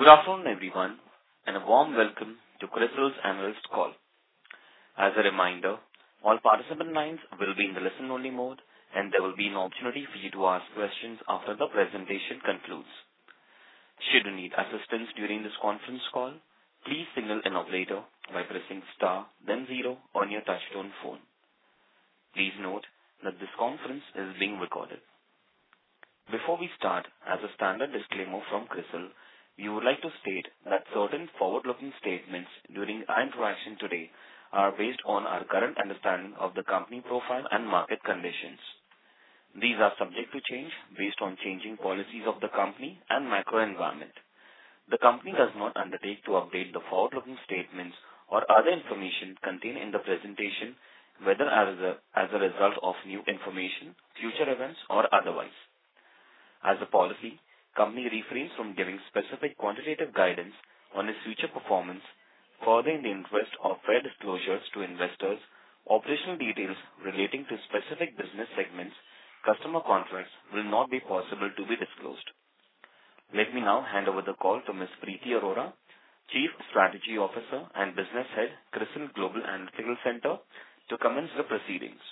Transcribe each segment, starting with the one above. Good afternoon, everyone, and a warm welcome to CRISIL's analyst call. As a reminder, all participant lines will be in the listen-only mode, and there will be an opportunity for you to ask questions after the presentation concludes. Should you need assistance during this conference call, please signal an operator by pressing star then zero on your touch-tone phone. Please note that this conference is being recorded. Before we start, as a standard disclaimer from CRISIL, we would like to state that certain forward-looking statements during our interaction today are based on our current understanding of the company profile and market conditions. These are subject to change based on changing policies of the company and microenvironment. The company does not undertake to update the forward-looking statements or other information contained in the presentation, whether as a result of new information, future events or otherwise. As a policy, company refrains from giving specific quantitative guidance on its future performance, furthering the interest of fair disclosures to investors. Operational details relating to specific business segments, customer contracts will not be possible to be disclosed. Let me now hand over the call to Ms. Priti Arora, Chief Strategy Officer and Business Head, CRISIL Global Analytics Centre, to commence the proceedings.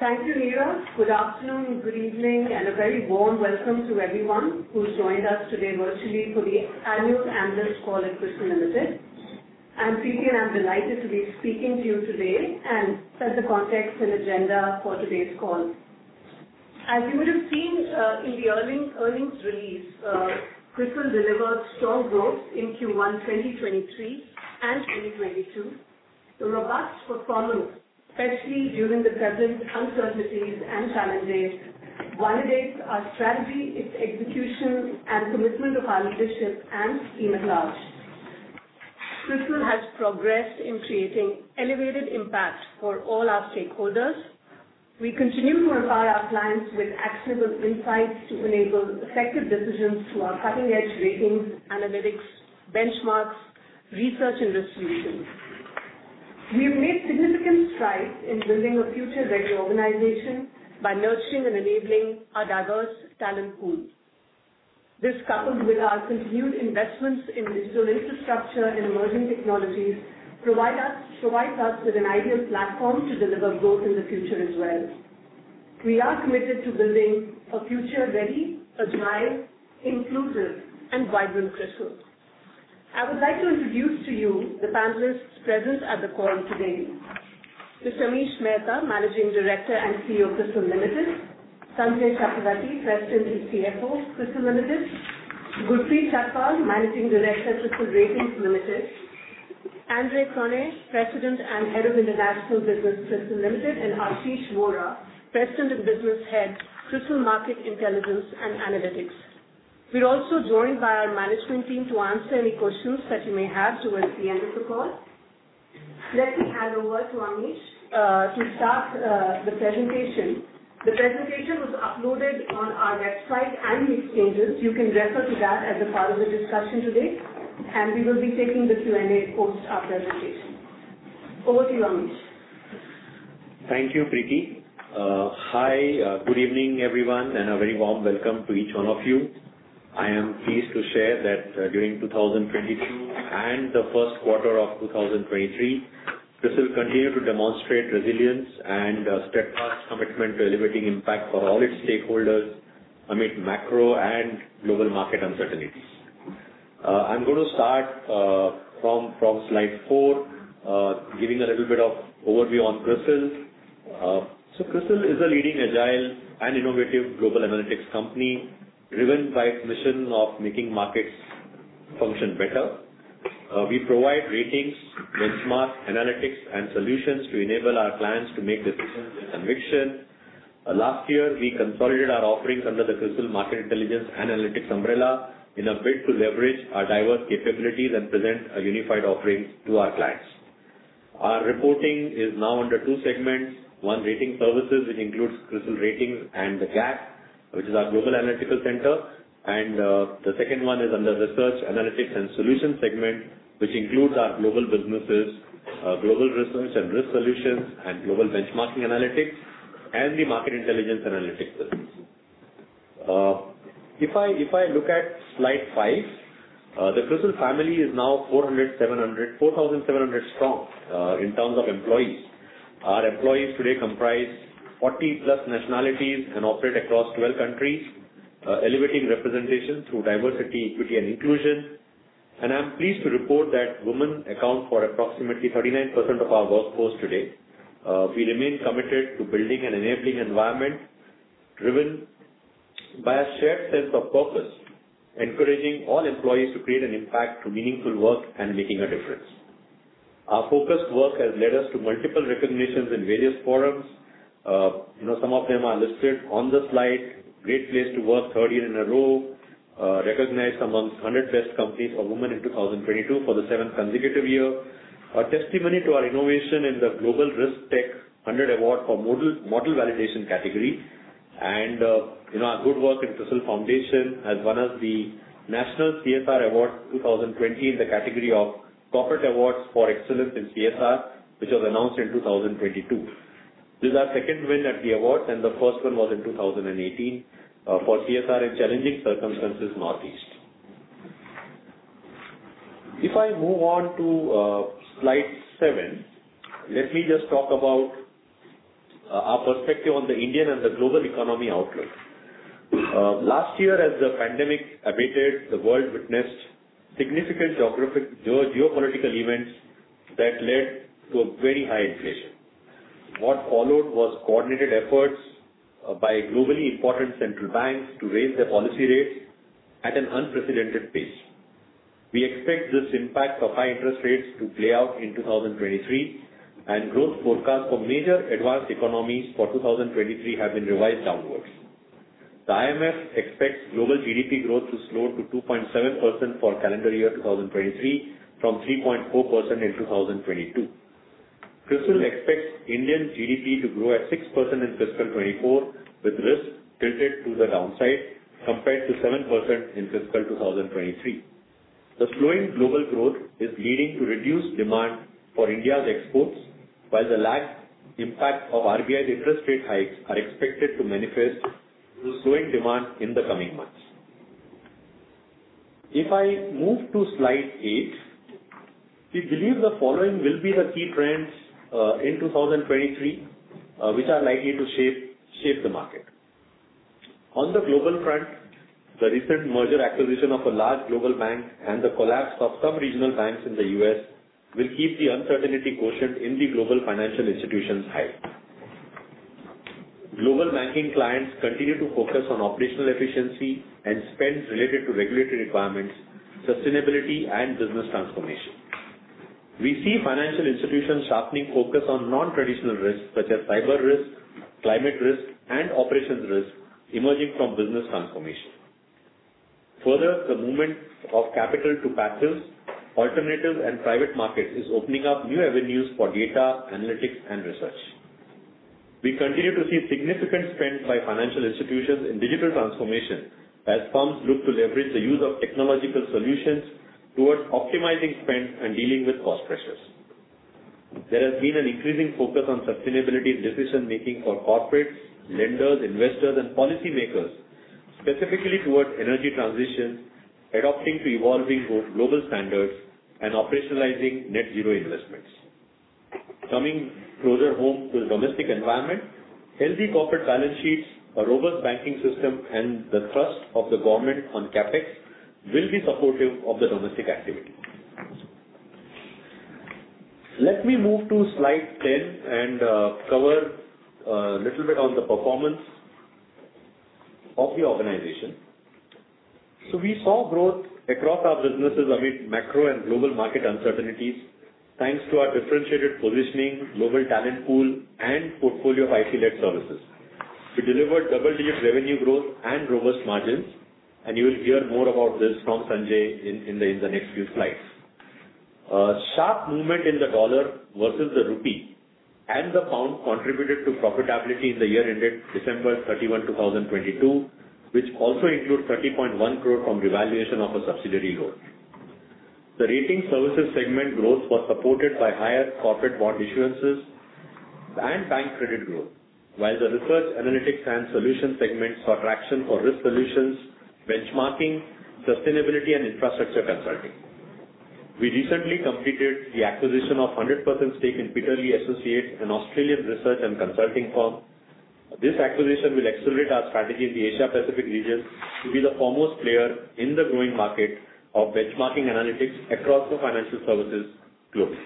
Thank you, Meera. Good afternoon, good evening, and a very warm welcome to everyone who's joined us today virtually for the annual analyst call at CRISIL Limited. I'm Priti. I'm delighted to be speaking to you today and set the context and agenda for today's call. As you would have seen in the earnings release, CRISIL delivered strong growth in Q1 2023 and 2022. The robust performance, especially during the present uncertainties and challenges, validates our strategy, its execution and commitment of our leadership and team at large. CRISIL has progressed in creating elevated impact for all our stakeholders. We continue to provide our clients with actionable insights to enable effective decisions through our cutting-edge ratings, analytics, benchmarks, research and risk solutions. We've made significant strides in building a future-ready organization by nurturing and enabling our diverse talent pool. This, coupled with our continued investments in digital infrastructure and emerging technologies, provides us with an ideal platform to deliver growth in the future as well. We are committed to building a future-ready, agile, inclusive and vibrant CRISIL. I would like to introduce to you the panelists present at the call today. Mr. Amish Mehta, Managing Director and CEO, CRISIL Limited. Sanjay Chakravarti, President and CFO, CRISIL Limited. Gurpreet Chhatwal, Managing Director, CRISIL Ratings Limited. Andre Cronje, President and Head of International Business, CRISIL Limited, and Ashish Vora, President and Business Head, CRISIL Market Intelligence and Analytics. We're also joined by our management team to answer any questions that you may have towards the end of the call. Let me hand over to Amish to start the presentation. The presentation was uploaded on our website and exchanges. You can refer to that as a part of the discussion today. We will be taking the Q&A post our presentation. Over to you, Amish. Thank you, Priti. Hi. Good evening, everyone, and a very warm welcome to each one of you. I am pleased to share that during 2022 and the first quarter of 2023, CRISIL continued to demonstrate resilience and a steadfast commitment to elevating impact for all its stakeholders amid macro and global market uncertainties. I'm going to start from slide four, giving a little bit of overview on CRISIL. CRISIL is a leading agile and innovative global analytics company driven by a mission of making markets function better. We provide ratings, benchmarks, analytics and solutions to enable our clients to make decisions with conviction. Last year, we consolidated our offerings under the CRISIL Market Intelligence and Analytics umbrella in a bid to leverage our diverse capabilities and present a unified offering to our clients. Our reporting is now under two segments. One, rating services, which includes CRISIL Ratings and the GAC, which is our Global Analytical Centre. The second one is under research, analytics and solutions segment, which includes our global businesses, Global Research and Risk Solutions, Global Benchmarking Analytics, and the Market Intelligence and Analytics services. If I look at slide five, the CRISIL family is now 4,700 strong in terms of employees. Our employees today comprise 40-plus nationalities and operate across 12 countries, elevating representation through diversity, equity and inclusion. I'm pleased to report that women account for approximately 39% of our workforce today. We remain committed to building an enabling environment driven by a shared sense of purpose, encouraging all employees to create an impact through meaningful work and making a difference. Our focused work has led us to multiple recognitions in various forums. you know, some of them are listed on the slide. Great Place To Work 13 in a row. recognized amongst 100 best companies for women in 2022 for the 7th consecutive year. A testimony to our innovation in the RiskTech100 Award for model validation category. you know, our good work in CRISIL Foundation has won us the National CSR Award 2020 in the category of corporate awards for excellence in CSR, which was announced in 2022. This is our 2nd win at the awards, and the 1st one was in 2018 for CSR in challenging circumstances Northeast. If I move on to slide seven, let me just talk about our perspective on the Indian and the global economy outlook. Last year as the pandemic abated, the world witnessed significant geopolitical events that led to a very high inflation. What followed was coordinated efforts by globally important central banks to raise their policy rates at an unprecedented pace. We expect this impact of high interest rates to play out in 2023, and growth forecasts for major advanced economies for 2023 have been revised downwards. The IMF expects global GDP growth to slow to 2.7% for calendar year 2023 from 3.4% in 2022. CRISIL expects Indian GDP to grow at 6% in fiscal 2024, with risk tilted to the downside compared to 7% in fiscal 2023. The slowing global growth is leading to reduced demand for India's exports, while the lagged impact of RBI's interest rate hikes are expected to manifest through slowing demand in the coming months. If I move to slide 8. We believe the following will be the key trends in 2023, which are likely to shape the market. On the global front, the recent merger acquisition of a large global bank and the collapse of some regional banks in the US will keep the uncertainty quotient in the global financial institutions high. Global banking clients continue to focus on operational efficiency and spend related to regulatory requirements, sustainability and business transformation. We see financial institutions sharpening focus on non-traditional risks such as cyber risk, climate risk and operations risk emerging from business transformation. Further, the movement of capital to passive, alternatives and private markets is opening up new avenues for data, analytics and research. We continue to see significant spend by financial institutions in digital transformation as firms look to leverage the use of technological solutions towards optimizing spend and dealing with cost pressures. There has been an increasing focus on sustainability decision-making for corporates, lenders, investors and policymakers, specifically towards energy transition, adapting to evolving global standards and operationalizing net zero investments. Coming closer home to the domestic environment, healthy corporate balance sheets, a robust banking system and the thrust of the government on CapEx will be supportive of the domestic activity. Let me move to slide 10 and cover a little bit on the performance of the organization. We saw growth across our businesses amid macro and global market uncertainties thanks to our differentiated positioning, global talent pool and portfolio of IT-led services. We delivered double-digit revenue growth and robust margins, and you will hear more about this from Sanjay in the next few slides. A sharp movement in the US dollar versus the rupee and the pound contributed to profitability in the year ended December 31, 2022, which also includes 30.1 crore from revaluation of a subsidiary loan. The rating services segment growth was supported by higher corporate bond issuances and bank credit growth. While the research analytics and solutions segments saw traction for risk solutions, benchmarking, sustainability and infrastructure consulting. We recently completed the acquisition of 100% stake in Peter Lee Associates, an Australian research and consulting firm. This acquisition will accelerate our strategy in the Asia Pacific region to be the foremost player in the growing market of benchmarking analytics across the financial services globally.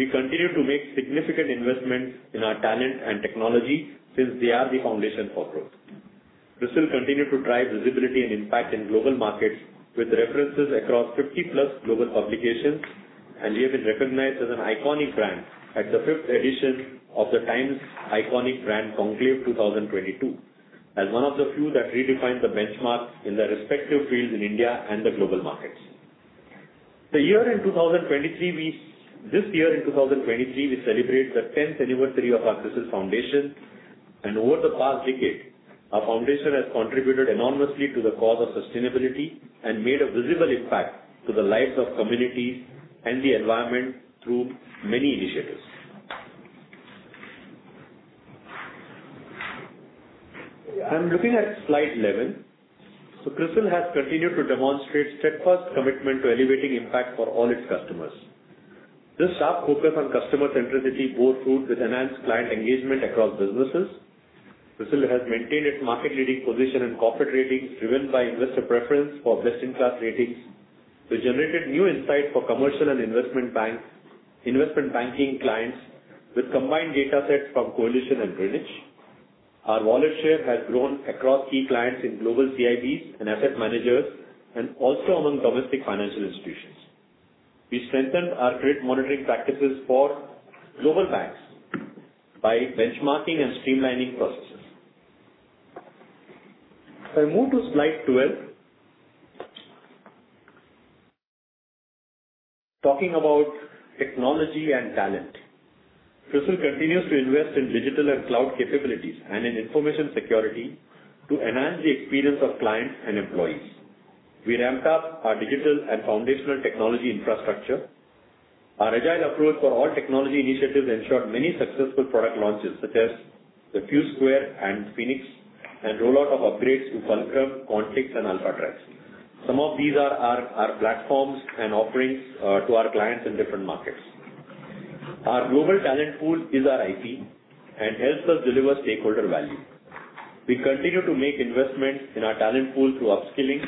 We continue to make significant investments in our talent and technology since they are the foundation for growth. CRISIL continued to drive visibility and impact in global markets with references across 50-plus global publications, and we have been recognized as an iconic brand at the 5th edition of The Economic Times Iconic Brands Conclave 2022, as one of the few that redefined the benchmark in their respective fields in India and the global markets. This year in 2023, we celebrate the 10th anniversary of our Crisil Foundation. Over the past decade, our Crisil Foundation has contributed enormously to the cause of sustainability and made a visible impact to the lives of communities and the environment through many initiatives. I'm looking at slide 11. CRISIL has continued to demonstrate steadfast commitment to elevating impact for all its customers. This sharp focus on customer centricity bore fruit with enhanced client engagement across businesses. CRISIL has maintained its market-leading position in corporate ratings, driven by investor preference for best-in-class ratings. We generated new insight for commercial and investment banks, investment banking clients with combined datasets from Coalition and Greenwich. Our wallet share has grown across key clients in global CIBs and asset managers, and also among domestic financial institutions. We strengthened our credit monitoring practices for global banks by benchmarking and streamlining processes. If I move to slide 12. Talking about technology and talent. CRISIL continues to invest in digital and cloud capabilities and in information security to enhance the experience of clients and employees. We ramped up our digital and foundational technology infrastructure. Our agile approach for all technology initiatives ensured many successful product launches, such as the FuSquare and Phoenix, and rollout of upgrades to Fulcrum, Confix and AlphaTrax. Some of these are our platforms and offerings to our clients in different markets. Our global talent pool is our IP and helps us deliver stakeholder value. We continue to make investments in our talent pool through upskilling,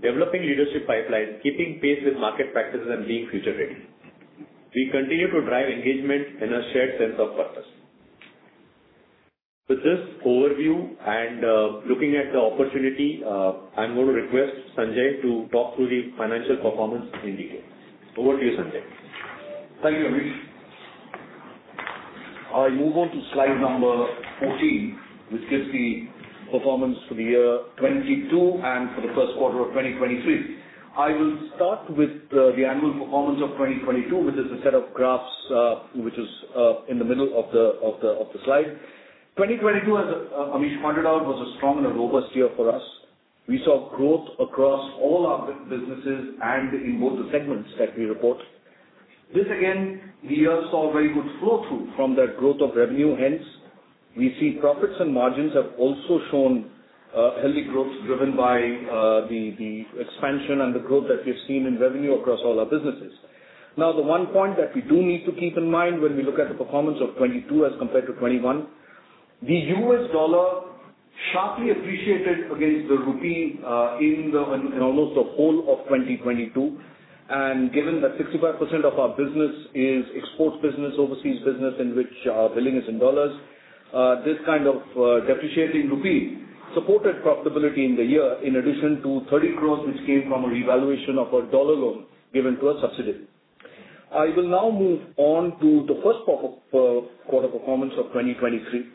developing leadership pipelines, keeping pace with market practices and being future ready. We continue to drive engagement and a shared sense of purpose. With this overview and looking at the opportunity, I'm gonna request Sanjay to talk through the financial performance in detail. Over to you, Sanjay. Thank you, Amish. I move on to slide number 14, which gives the performance for the year 2022 and for the first quarter of 2023. I will start with the annual performance of 2022, which is a set of graphs, which is in the middle of the slide. 2022, as Amish pointed out, was a strong and a robust year for us. We saw growth across all our businesses and in both the segments that we report. This again, we have saw very good flow-through from that growth of revenue. Hence, we see profits and margins have also shown healthy growth driven by the expansion and the growth that we've seen in revenue across all our businesses. Now, the one point that we do need to keep in mind when we look at the performance of 2022 as compared to 2021, the US dollar sharply appreciated against the rupee, in almost the whole of 2022. Given that 65% of our business is export business, overseas business in which our billing is in dollars, this kind of depreciating rupee supported profitability in the year in addition to 30 crore, which came from a revaluation of a dollar loan given to a subsidiary. I will now move on to the first quarter performance of 2023.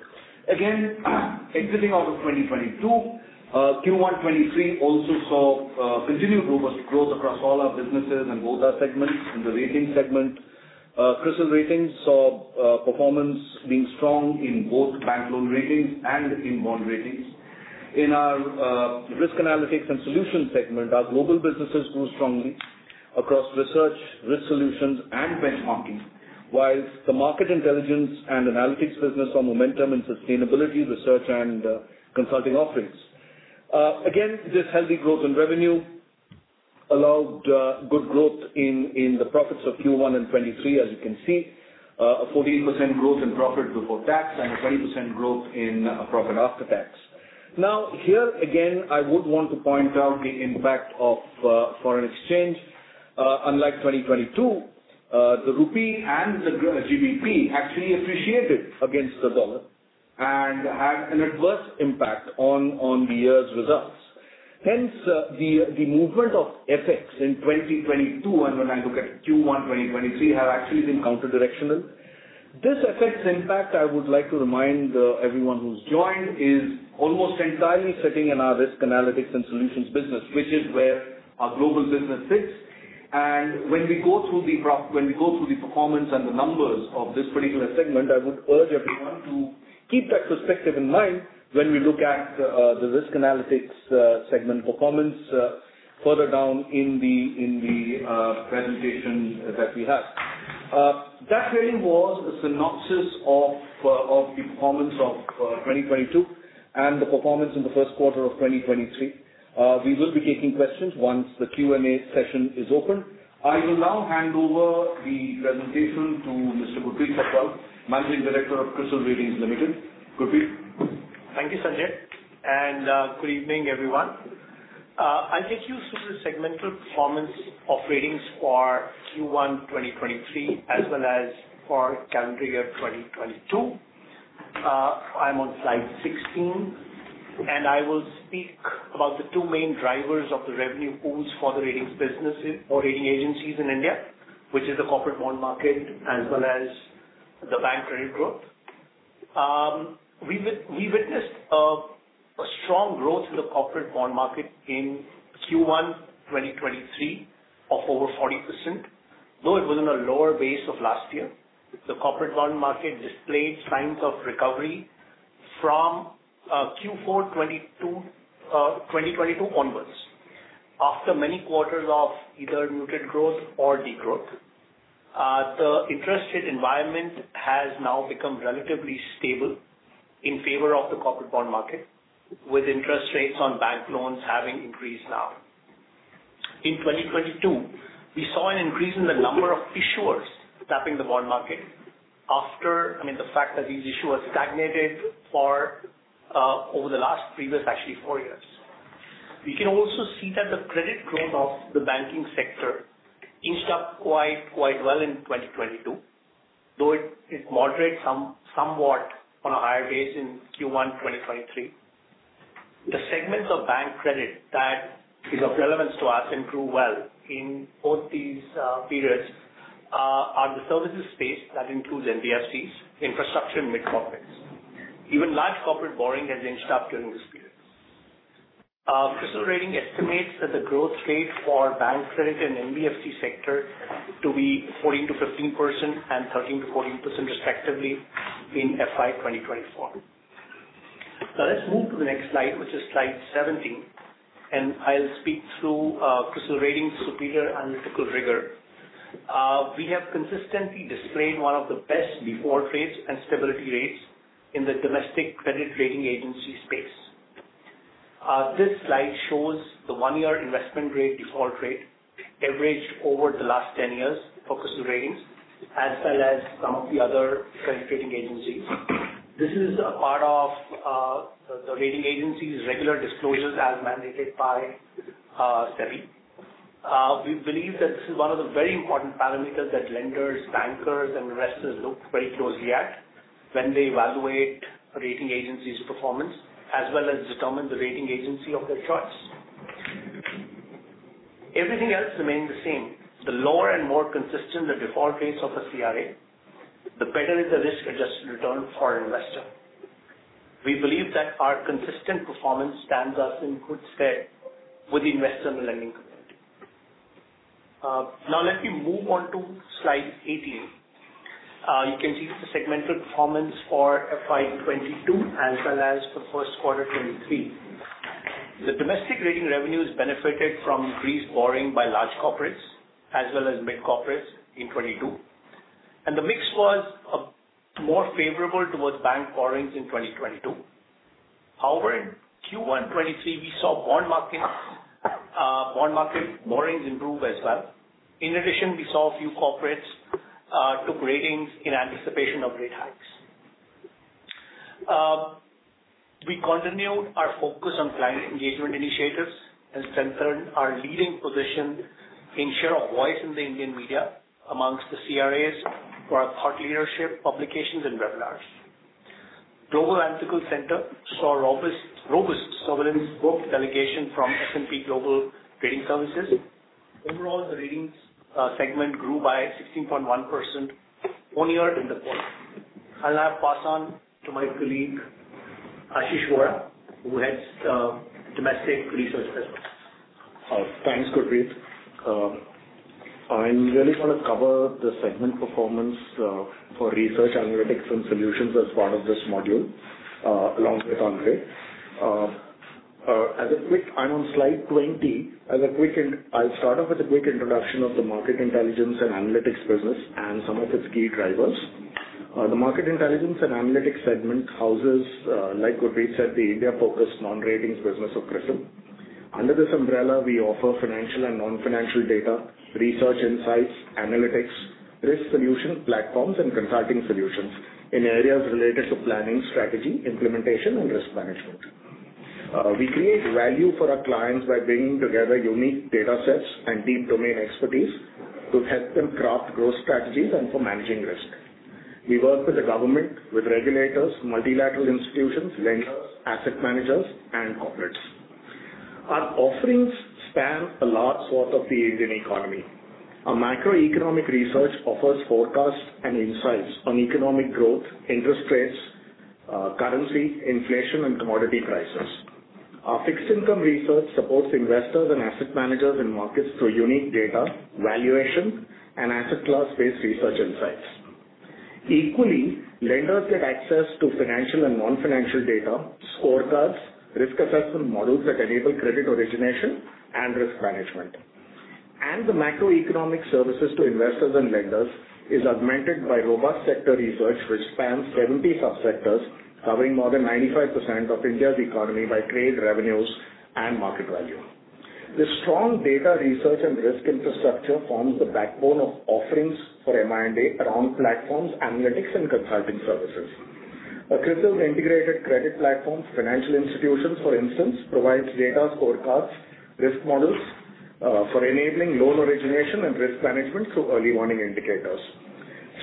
Again, exiting out of 2022, Q1 2023 also saw continued robust growth across all our businesses and both our segments. In the ratings segment, Crisil Ratings saw performance being strong in both bank loan ratings and in bond ratings. In our risk analytics and solutions segment, our global businesses grew strongly across research, risk solutions and benchmarking. Whilst the Market Intelligence and Analytics business saw momentum in sustainability research and consulting offerings. Again, this healthy growth in revenue allowed good growth in the profits of Q1 in 2023, as you can see. A 14% growth in profit before tax and a 20% growth in profit after tax. Now, here again, I would want to point out the impact of foreign exchange. Unlike 2022, the rupee and the GBP actually appreciated against the dollar and had an adverse impact on the year's results. Hence, the movement of FX in 2022 and when I look at Q1 2023, have actually been counter directional. This FX impact, I would like to remind everyone who's joined, is almost entirely sitting in our risk analytics and solutions business, which is where our global business sits. When we go through the performance and the numbers of this particular segment, I would urge everyone to keep that perspective in mind when we look at the risk analytics segment performance further down in the presentation that we have. That really was a synopsis of the performance of 2022 and the performance in the first quarter of 2023. We will be taking questions once the Q&A session is open. I will now hand over the presentation to Mr. Gurpreet Chhatwal, Managing Director of Crisil Ratings Limited. Gurpreet. Thank you, Sanjay, and good evening, everyone. I'll take you through the segmental performance of ratings for Q1 2023 as well as for calendar year 2022. I'm on slide 16, and I will speak about the two main drivers of the revenue pools for the ratings businesses or rating agencies in India, which is the corporate bond market as well as the bank credit growth. We witnessed a strong growth in the corporate bond market in Q1 2023 of over 40%, though it was on a lower base of last year. The corporate bond market displayed signs of recovery from Q4 2022 onwards. After many quarters of either muted growth or decline, the interest rate environment has now become relatively stable in favor of the corporate bond market, with interest rates on bank loans having increased now. In 2022, we saw an increase in the number of issuers tapping the bond market after, I mean, the fact that these issuers stagnated for over the last previous actually 4 years. We can also see that the credit growth of the banking sector inched up quite well in 2022, though it moderated somewhat on a higher base in Q1 2023. The segments of bank credit that is of relevance to us and grew well in both these periods are the services space that includes NBFCs, infrastructure and mid corporates. Even large corporate borrowing has inched up during this period. CRISIL Rating estimates that the growth rate for bank credit and NBFC sector to be 14%-15% and 13%-14% respectively in FY 2024. Let's move to the next slide, which is slide 17, and I'll speak through CRISIL Rating's superior analytical rigor. We have consistently displayed one of the best default rates and stability rates in the domestic credit rating agency space. This slide shows the one-year investment rate default rate averaged over the last 10 years for CRISIL Ratings, as well as some of the other credit rating agencies. This is a part of the rating agency's regular disclosures as mandated by SEBI. We believe that this is one of the very important parameters that lenders, bankers, and investors look very closely at when they evaluate a rating agency's performance, as well as determine the rating agency of their choice. Everything else remains the same. The lower and more consistent the default rates of a CRA, the better the risk-adjusted return for an investor. We believe that our consistent performance stands us in good stead with investors in the lending community. Now let me move on to slide 18. You can see the segmental performance for FY 2022 as well as for first quarter 2023. The domestic rating revenues benefited from increased borrowing by large corporates as well as mid corporates in 2022, and the mix was more favorable towards bank borrowings in 2022. However, in Q1 2023 we saw bond markets, bond market borrowings improve as well. In addition, we saw a few corporates took ratings in anticipation of rate hikes. We continued our focus on client engagement initiatives and centered our leading position in share of voice in the Indian media amongst the CRAs for our thought leadership publications and webinars. Global Analytical Centre saw robust sovereign scope delegation from S&P Global Ratings. Overall, the ratings segment grew by 16.1% year-over-year in the quarter. I'll now pass on to my colleague, Ashish Vora, who heads domestic research business. Thanks, Gurpreet. I really wanna cover the segment performance for research, analytics and solutions as part of this module, along with Andre. I'm on slide 20. I'll start off with a quick introduction of the Market Intelligence and Analytics business and some of its key drivers. The Market Intelligence and Analytics segment houses, like Gurpreet said, the India-focused non-ratings business of CRISIL. Under this umbrella, we offer financial and non-financial data, research insights, analytics, risk solutions, platforms, and consulting solutions in areas related to planning, strategy, implementation and risk management. We create value for our clients by bringing together unique data sets and deep domain expertise to help them craft growth strategies and for managing risk. We work with the government, with regulators, multilateral institutions, lenders, asset managers, and corporates. Our offerings span a large swath of the Asian economy. Our macroeconomic research offers forecasts and insights on economic growth, interest rates, currency, inflation, and commodity prices. Our fixed income research supports investors and asset managers in markets through unique data, valuation, and asset class-based research insights. Equally, lenders get access to financial and non-financial data, scorecards, risk assessment models that enable credit origination and risk management. The macroeconomic services to investors and lenders is augmented by robust sector research, which spans 70 subsectors, covering more than 95% of India's economy by trade revenues and market value. The strong data research and risk infrastructure forms the backbone of offerings for MI&A around platforms, analytics, and consulting services. CRISIL's integrated credit platforms, financial institutions, for instance, provides data scorecards, risk models, for enabling loan origination and risk management through early warning indicators.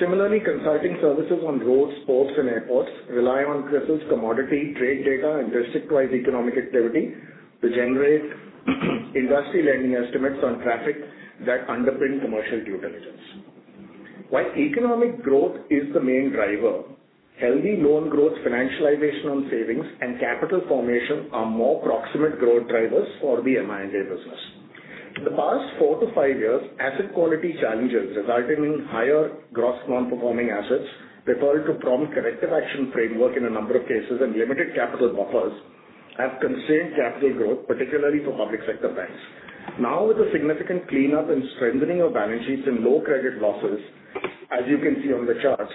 Similarly, consulting services on roads, ports, and airports rely on CRISIL's commodity trade data and district-wide economic activity to generate industry lending estimates on traffic that underpin commercial due diligence. While economic growth is the main driver, healthy loan growth, financialization on savings, and capital formation are more proximate growth drivers for the MI&A business. The past 4-5 years, asset quality challenges resulting in higher gross non-performing assets referred to Prompt Corrective Action framework in a number of cases, and limited capital buffers have constrained capital growth, particularly for public sector banks. Now, with a significant cleanup and strengthening of balance sheets and low credit losses, as you can see on the charts,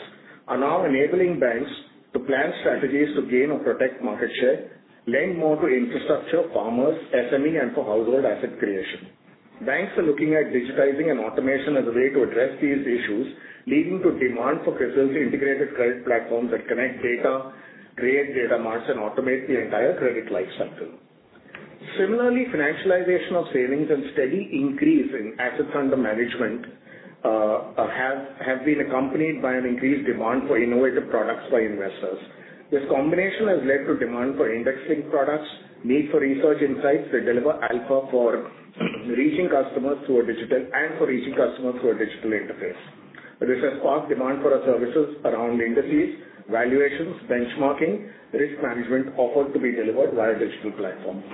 are now enabling banks to plan strategies to gain or protect market share, lend more to infrastructure, farmers, SME, and for household asset creation. Banks are looking at digitizing and automation as a way to address these issues, leading to demand for CRISIL's integrated credit platforms that connect data, create data marts, and automate the entire credit life cycle. Similarly, financialization of savings and steady increase in assets under management have been accompanied by an increased demand for innovative products by investors. This combination has led to demand for indexing products, need for research insights that deliver alpha for reaching customers who are digital, and for reaching customers through a digital interface. This has sparked demand for our services around indices, valuations, benchmarking, risk management offered to be delivered via digital platforms.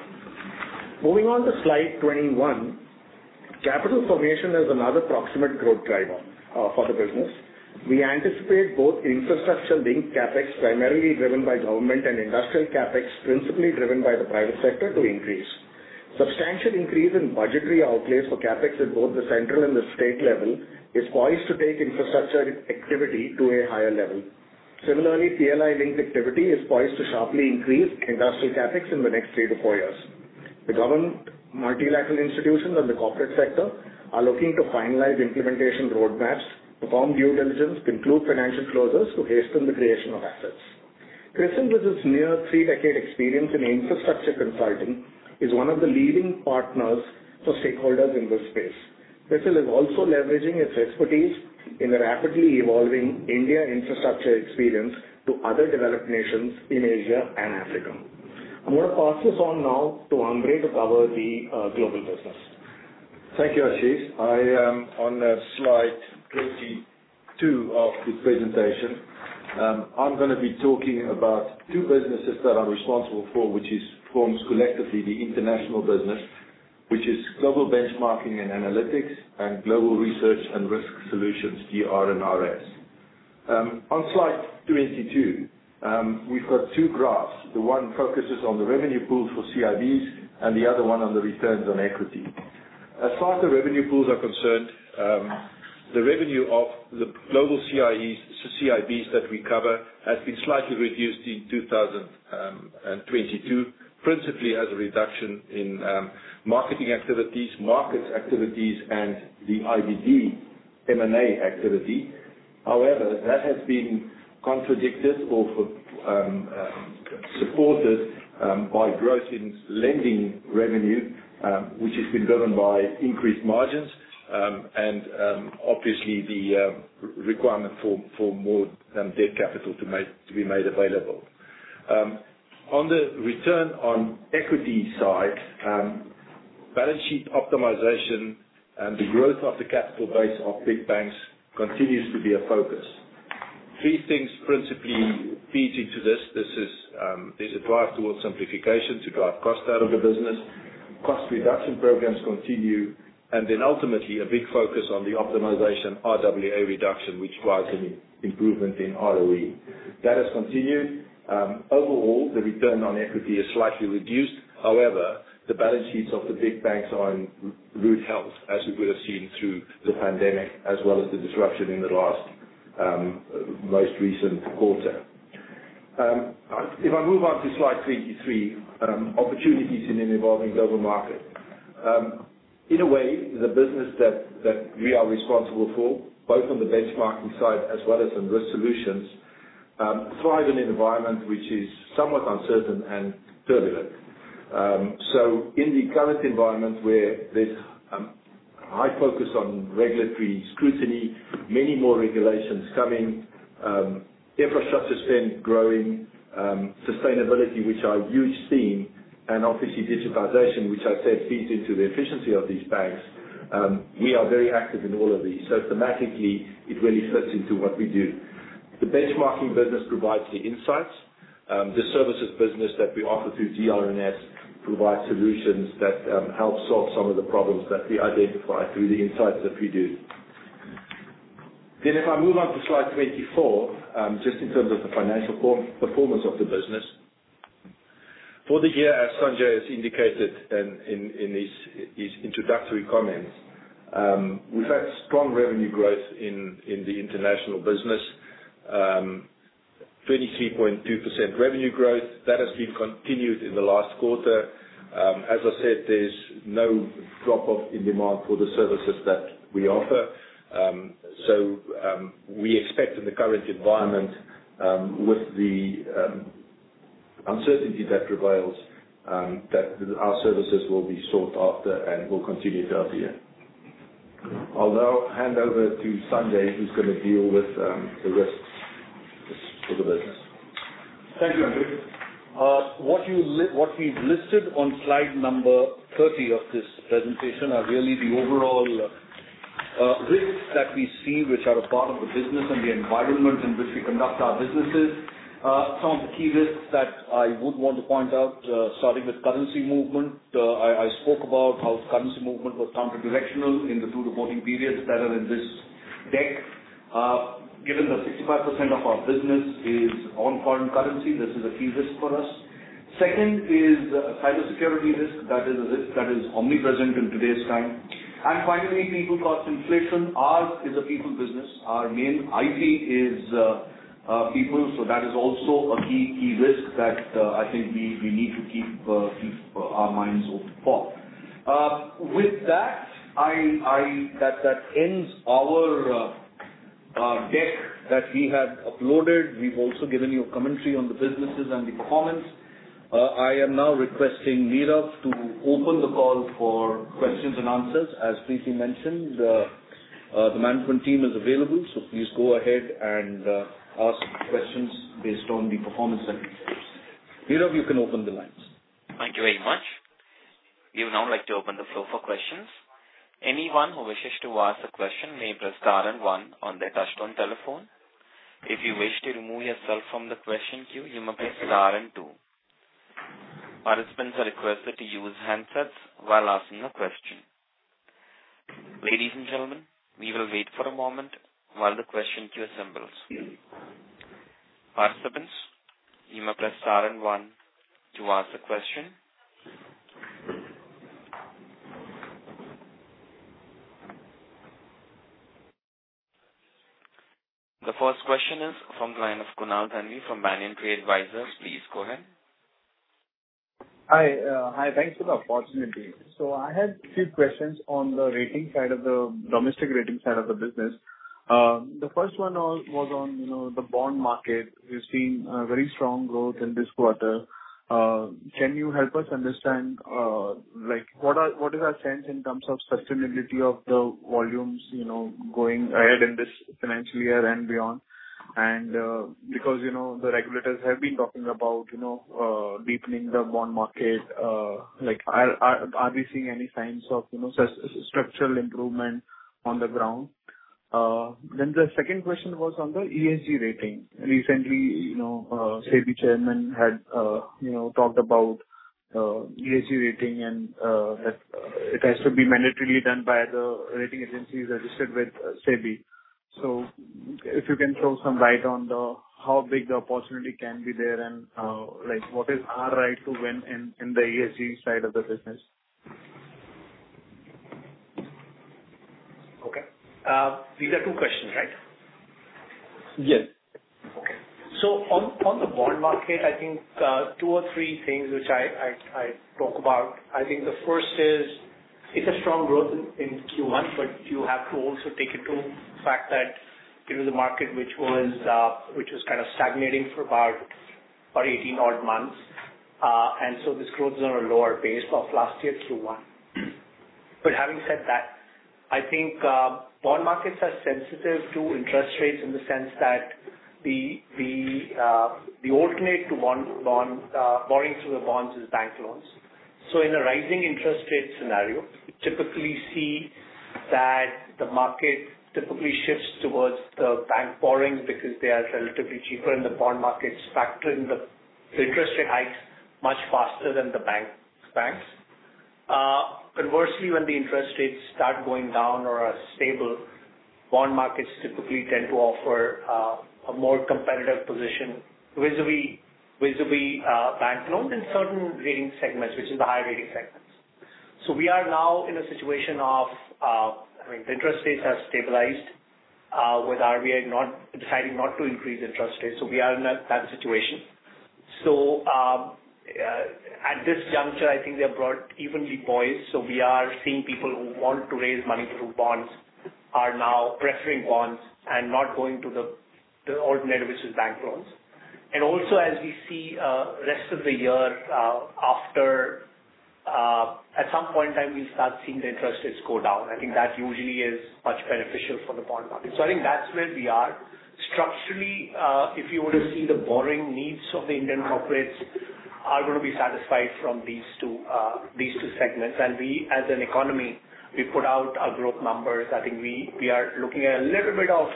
Moving on to slide 21. Capital formation is another proximate growth driver for the business. We anticipate both infrastructure linked CapEx primarily driven by government and industrial CapEx principally driven by the private sector to increase. Substantial increase in budgetary outlays for CapEx at both the central and the state level is poised to take infrastructure activity to a higher level. Similarly, PLI linked activity is poised to sharply increase industrial CapEx in the next 3-4 years. The government multilateral institutions and the corporate sector are looking to finalize implementation roadmaps, perform due diligence, conclude financial closures to hasten the creation of assets. CRISIL, with its near 3-decade experience in infrastructure consulting, is one of the leading partners for stakeholders in this space. CRISIL is also leveraging its expertise in the rapidly evolving India infrastructure experience to other developed nations in Asia and Africa. I'm gonna pass this on now to Andre to cover the global business. Thank you, Ashish. I am on slide 22 of the presentation. I'm gonna be talking about two businesses that I'm responsible for, forms collectively the International Business, which is Global Benchmarking and Analytics and Global Research and Risk Solutions, GR&RS. On slide 22, we've got two graphs. The one focuses on the revenue pools for CIBs and the other one on the returns on equity. As far as the revenue pools are concerned, the revenue of the global CIBs that we cover has been slightly reduced in 2022, principally as a reduction in marketing activities, markets activities, and the IBD M&A activity. However, that has been contradicted or for supported by growth in lending revenue, which has been driven by increased margins, and obviously the requirement for more debt capital to be made available. On the return on equity side, balance sheet optimization and the growth of the capital base of big banks continues to be a focus. Three things principally feeds into this. This is, there's a drive towards simplification to drive cost out of the business. Cost reduction programs continue, and then ultimately a big focus on the optimization RWA reduction, which drives an improvement in ROE. That has continued. Overall, the return on equity is slightly reduced. The balance sheets of the big banks are in rude health, as we would have seen through the pandemic, as well as the disruption in the last most recent quarter. If I move on to slide 23, opportunities in an evolving global market. In a way, the business that we are responsible for, both on the benchmarking side as well as in risk solutions, thrive in an environment which is somewhat uncertain and turbulent. In the current environment where there's high focus on regulatory scrutiny, many more regulations coming, infrastructure spend growing, sustainability, which are huge theme, and obviously digitalization, which I said feeds into the efficiency of these banks, we are very active in all of these. Thematically, it really fits into what we do. The benchmarking business provides the insights. The services business that we offer through GR&RS provide solutions that help solve some of the problems that we identify through the insights that we do. If I move on to slide 24, just in terms of the financial performance of the business. For the year, as Sanjay has indicated in his introductory comments, we've had strong revenue growth in the international business. 33.2% revenue growth, that has been continued in the last quarter. As I said, there's no drop-off in demand for the services that we offer. We expect in the current environment, with the uncertainty that prevails, that our services will be sought after and will continue throughout the year. I'll now hand over to Sanjay, who's gonna deal with the risks for the business. Thank you, Andre. What we've listed on slide number 30 of this presentation are really the overall risks that we see which are a part of the business and the environment in which we conduct our businesses. Some of the key risks that I would want to point out, starting with currency movement. I spoke about how currency movement was counter-directional in the two reporting periods that are in this deck. Given that 65% of our business is on foreign currency, this is a key risk for us. Second is cybersecurity risk. That is a risk that is omnipresent in today's time. Finally, people cost inflation. Ours is a people business. Our main IP is people, so that is also a key risk that I think we need to keep our minds open for. With that ends our deck that we have uploaded. We've also given you a commentary on the businesses and the comments. I am now requesting Meera to open the call for questions and answers. As Priti mentioned, the management team is available. Please go ahead and ask questions based on the performance and insights. Meera, you can open the lines. Thank you very much. We would now like to open the floor for questions. Anyone who wishes to ask a question may press star and one on their touch-tone telephone. If you wish to remove yourself from the question queue, you may press star and two. Participants are requested to use handsets while asking a question. Ladies and gentlemen, we will wait for a moment while the question queue assembles. Participants, you may press star and one to ask the question. The first question is from the line of Kunal Thanvi from Banyan Tree Advisors. Please go ahead. Hi. Hi. Thanks for the opportunity. I had few questions on the rating side of the domestic rating side of the business. The first one was on, you know, the bond market. We've seen very strong growth in this quarter. Can you help us understand, like, what is our sense in terms of sustainability of the volumes, you know, going ahead in this financial year and beyond? Because, you know, the regulators have been talking about, you know, deepening the bond market, like, are we seeing any signs of, you know, structural improvement on the ground? The second question was on the ESG rating. Recently, you know, SEBI chairman had, you know, talked about ESG rating and that it has to be mandatorily done by the rating agencies registered with SEBI. If you can throw some light on the how big the opportunity can be there and, like, what is our right to win in the ESG side of the business? Okay. These are two questions, right? Yes. Okay. On the bond market, I think, two or three things which I'd talk about. I think the first is it's a strong growth in Q1, but you have to also take into fact that, you know, the market which was kind of stagnating for about 18 odd months. This growth is on a lower base of last year Q1. Having said that, I think, bond markets are sensitive to interest rates in the sense that the alternate to bond borrowing through the bonds is bank loans. In a rising interest rate scenario, you typically see that the market typically shifts towards the bank borrowings because they are relatively cheaper, and the bond markets factor in the interest rate hikes much faster than the banks. Conversely, when the interest rates start going down or are stable, bond markets typically tend to offer a more competitive position vis-a-vis bank loans in certain rating segments, which is the high rating segments. We are now in a situation of, I mean, the interest rates have stabilized with RBI deciding not to increase interest rates, we are in that situation. At this juncture, I think they're broad evenly poised. We are seeing people who want to raise money through bonds are now preferring bonds and not going to the alternative, which is bank loans. Also as we see rest of the year, after at some point in time we'll start seeing the interest rates go down. I think that usually is much beneficial for the bond market. I think that's where we are. Structurally, if you were to see the borrowing needs of the Indian corporates are gonna be satisfied from these two, these two segments. We as an economy, we put out our growth numbers. I think we are looking at a little bit of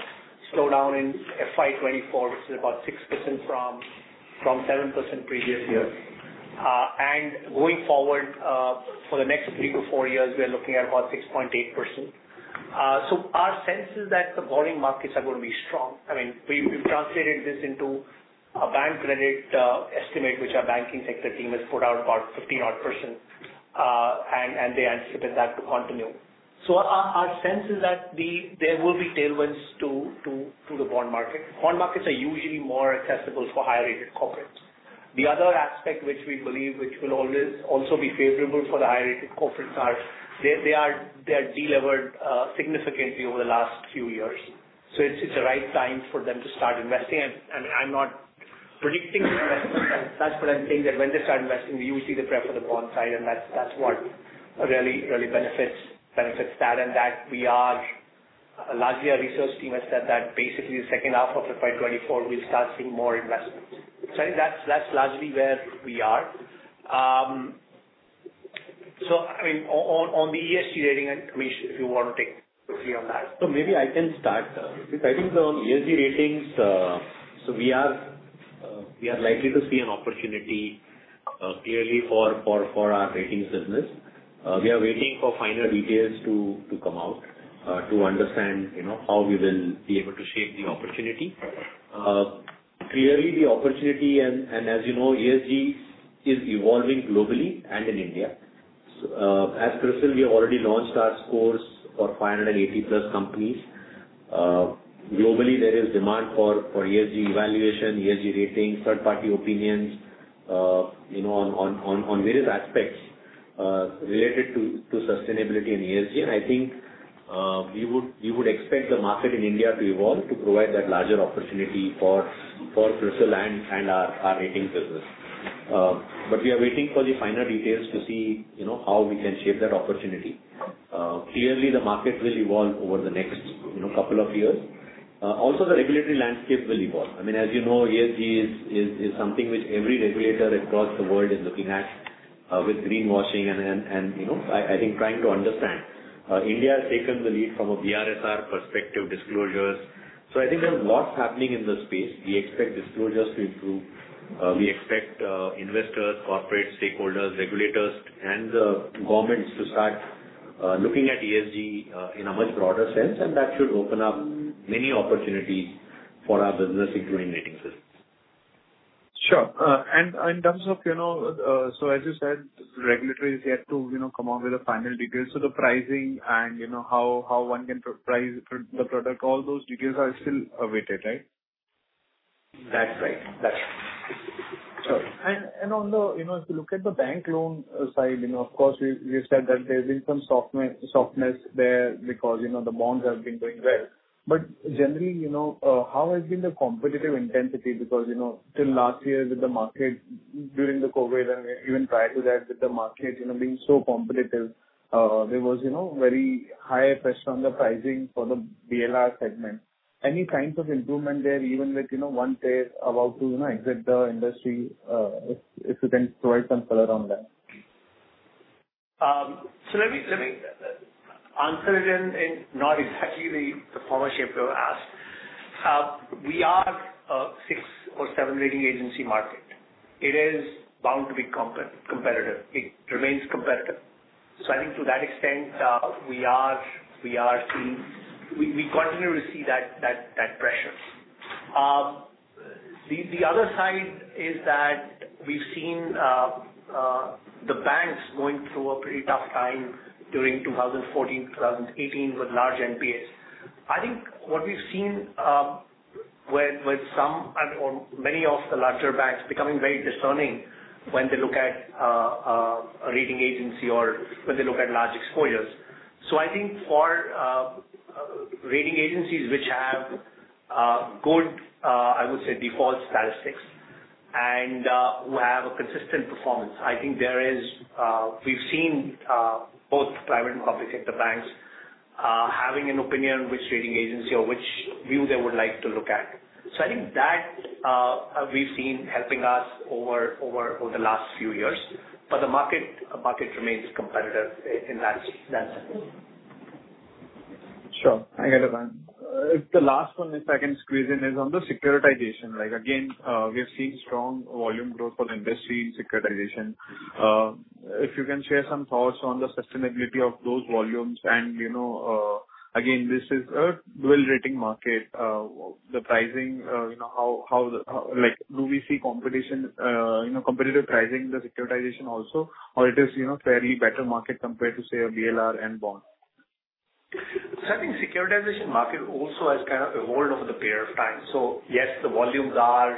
slowdown in FY 2024, which is about 6% from 7% previous year. Going forward, for the next 3-4 years, we are looking at about 6.8%. Our sense is that the borrowing markets are gonna be strong. I mean, we've translated this into a bank credit estimate, which our banking sector team has put out about 15 odd percent. They anticipate that to continue. Our sense is that there will be tailwinds to the bond market. Bond markets are usually more accessible for high-rated corporates. The other aspect which we believe, which will always also be favorable for the high-rated corporates are they are de-levered significantly over the last few years. It's the right time for them to start investing. I mean, I'm not predicting the investment. That's what I'm saying, that when they start investing we will see the prep for the bond side, and that's what really benefits that. Largely our research team has said that basically the second half of the FY 2024 we'll start seeing more investments. I think that's largely where we are. I mean, on the ESG rating and, Amish, if you want to take lead on that. Maybe I can start. I think on ESG ratings, we are likely to see an opportunity clearly for our ratings business. We are waiting for final details to come out to understand, you know, how we will be able to shape the opportunity. Clearly the opportunity and as you know, ESG is evolving globally and in India. At CRISIL we have already launched our scores for 580-plus companies. Globally there is demand for ESG evaluation, ESG ratings, third-party opinions, you know, on various aspects related to sustainability and ESG. I think we would expect the market in India to evolve to provide that larger opportunity for CRISIL and our ratings business. We are waiting for the final details to see, you know, how we can shape that opportunity. Clearly the market will evolve over the next, you know, couple of years. The regulatory landscape will evolve. As you know, ESG is something which every regulator across the world is looking at. With greenwashing and, you know, I think trying to understand. India has taken the lead from a BRSR perspective disclosures. I think there's lots happening in this space. We expect disclosures to improve. We expect investors, corporate stakeholders, regulators, and governments to start looking at ESG in a much broader sense, and that should open up many opportunities for our business, including rating systems. Sure. In terms of, you know, as you said, regulatory is yet to, you know, come out with a final details to the pricing and you know, how one can price the product. All those details are still awaited, right? That's right. Sure. Although, you know, if you look at the bank loan side, you know, of course we have said that there's been some softness there because, you know, the bonds have been doing well. Generally, you know, how has been the competitive intensity? Till last year with the market during the COVID and even prior to that, with the market, you know, being so competitive, there was, you know, very high pressure on the pricing for the BLR segment. Any kinds of improvement there, even with, you know, one player about to, you know, exit the industry, if you can provide some color on that? Let me answer it in not exactly the format you have asked. We are a six or seven rating agency market. It is bound to be competitive. It remains competitive. I think to that extent, we continue to see that pressure. The other side is that we've seen the banks going through a pretty tough time during 2014-2018 with large NPAs. I think what we've seen, with some and/or many of the larger banks becoming very discerning when they look at a rating agency or when they look at large exposures. I think for rating agencies which have good I would say default statistics and who have a consistent performance, I think there is we've seen both private and public sector banks having an opinion which rating agency or which view they would like to look at. I think that we've seen helping us over the last few years. The market remains competitive in that sense. Sure. I get it, man. The last one, if I can squeeze in, is on the securitization. Like again, we are seeing strong volume growth for the industry in securitization. If you can share some thoughts on the sustainability of those volumes. You know, again, this is a dual rating market. The pricing, you know, how, like, do we see competition, you know, competitive pricing in the securitization also, or it is, you know, fairly better market compared to, say, a BLR and bond? I think securitization market also has kind of evolved over the period of time. Yes, the volumes are,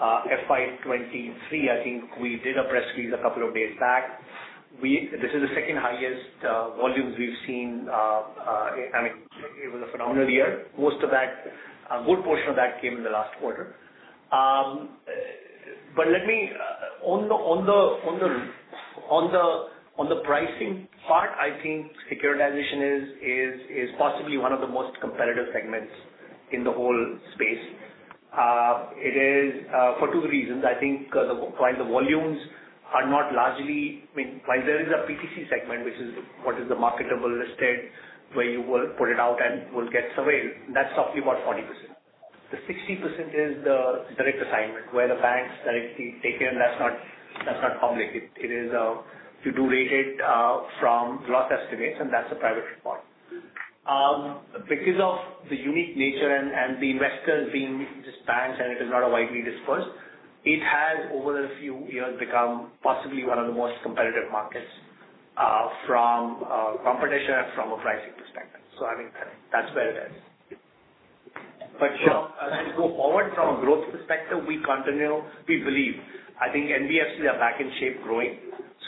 FY23, I think we did a press release a couple of days back. This is the second-highest volumes we've seen, I mean, it was a phenomenal year. Most of that, a good portion of that came in the last quarter. Let me on the pricing part, I think securitization is possibly one of the most competitive segments in the whole space. It is for two reasons. I think the, while the volumes are not largely... I mean, while there is a PTC segment, which is what is the marketable listed, where you will put it out and will get surveyed, that's roughly about 40%. The 60% is the direct assignment where the banks directly take it. That's not, that's not public. It is to do rated from loss estimates, and that's a private report. Because of the unique nature and the investors being just banks and it is not a widely dispersed, it has over a few years become possibly one of the most competitive markets from competition and from a pricing perspective. I think that's where it is. Sure. You know, as we go forward from a growth perspective, we continue, we believe, I think NBFCs are back in shape growing.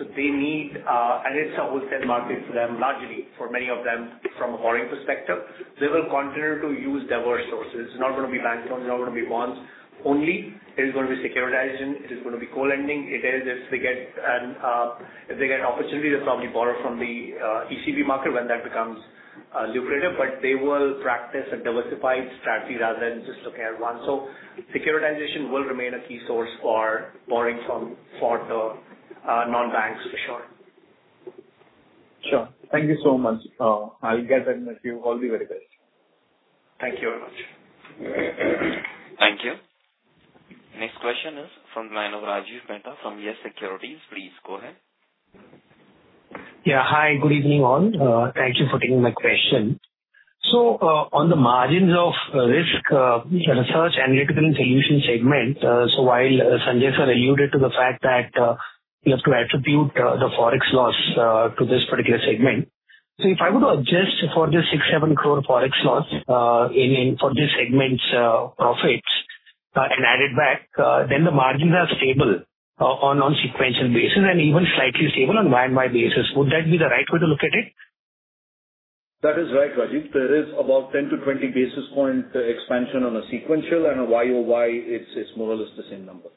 They need, and it's a wholesale market for them, largely for many of them from a borrowing perspective. They will continue to use diverse sources. It's not gonna be bank loans, it's not gonna be bonds only. It is gonna be securitization, it is gonna be co-lending. It is if they get an opportunity to probably borrow from the ECB market when that becomes lucrative. They will practice a diversified strategy rather than just looking at one. Securitization will remain a key source for borrowings from, for the non-banks for sure. Sure. Thank you so much. I'll get in touch with you. All the very best. Thank you very much. Thank you. Next question is from line of Rajiv Mehta from YES Securities. Please go ahead. Yeah. Hi, good evening all. Thank you for taking my question. On the margins of risk, research and analytical solution segment, while Sanjay, sir, alluded to the fact that you have to attribute the Forex loss to this particular segment. If I were to adjust for this 6-7 crore Forex loss in for this segment's profits and add it back, then the margins are stable on a sequential basis and even slightly stable on Y-o-Y basis. Would that be the right way to look at it? That is right, Rajiv. There is about 10-20 basis point expansion on a sequential and a Y-o-Y, it's more or less the same number.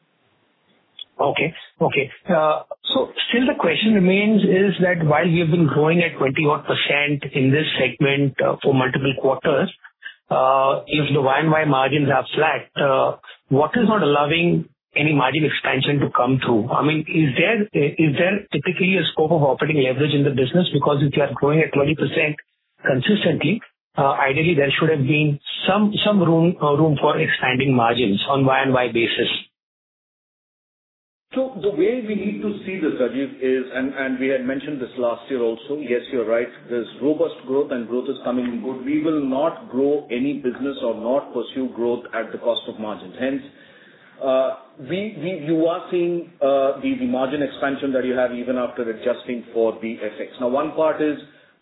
Okay. Okay. Still the question remains is that while you've been growing at 20 what % in this segment, for multiple quarters. If the Y and Y margins are flat, what is not allowing any margin expansion to come through? I mean, is there typically a scope of operating leverage in the business? If you are growing at 20% consistently, ideally there should have been some room for expanding margins on Y and Y basis. The way we need to see this, Rajeev, is and we had mentioned this last year also. Yes, you're right. There's robust growth and growth is coming in good. We will not grow any business or not pursue growth at the cost of margins. Hence, you are seeing the margin expansion that you have even after adjusting for the FX. Now, one part is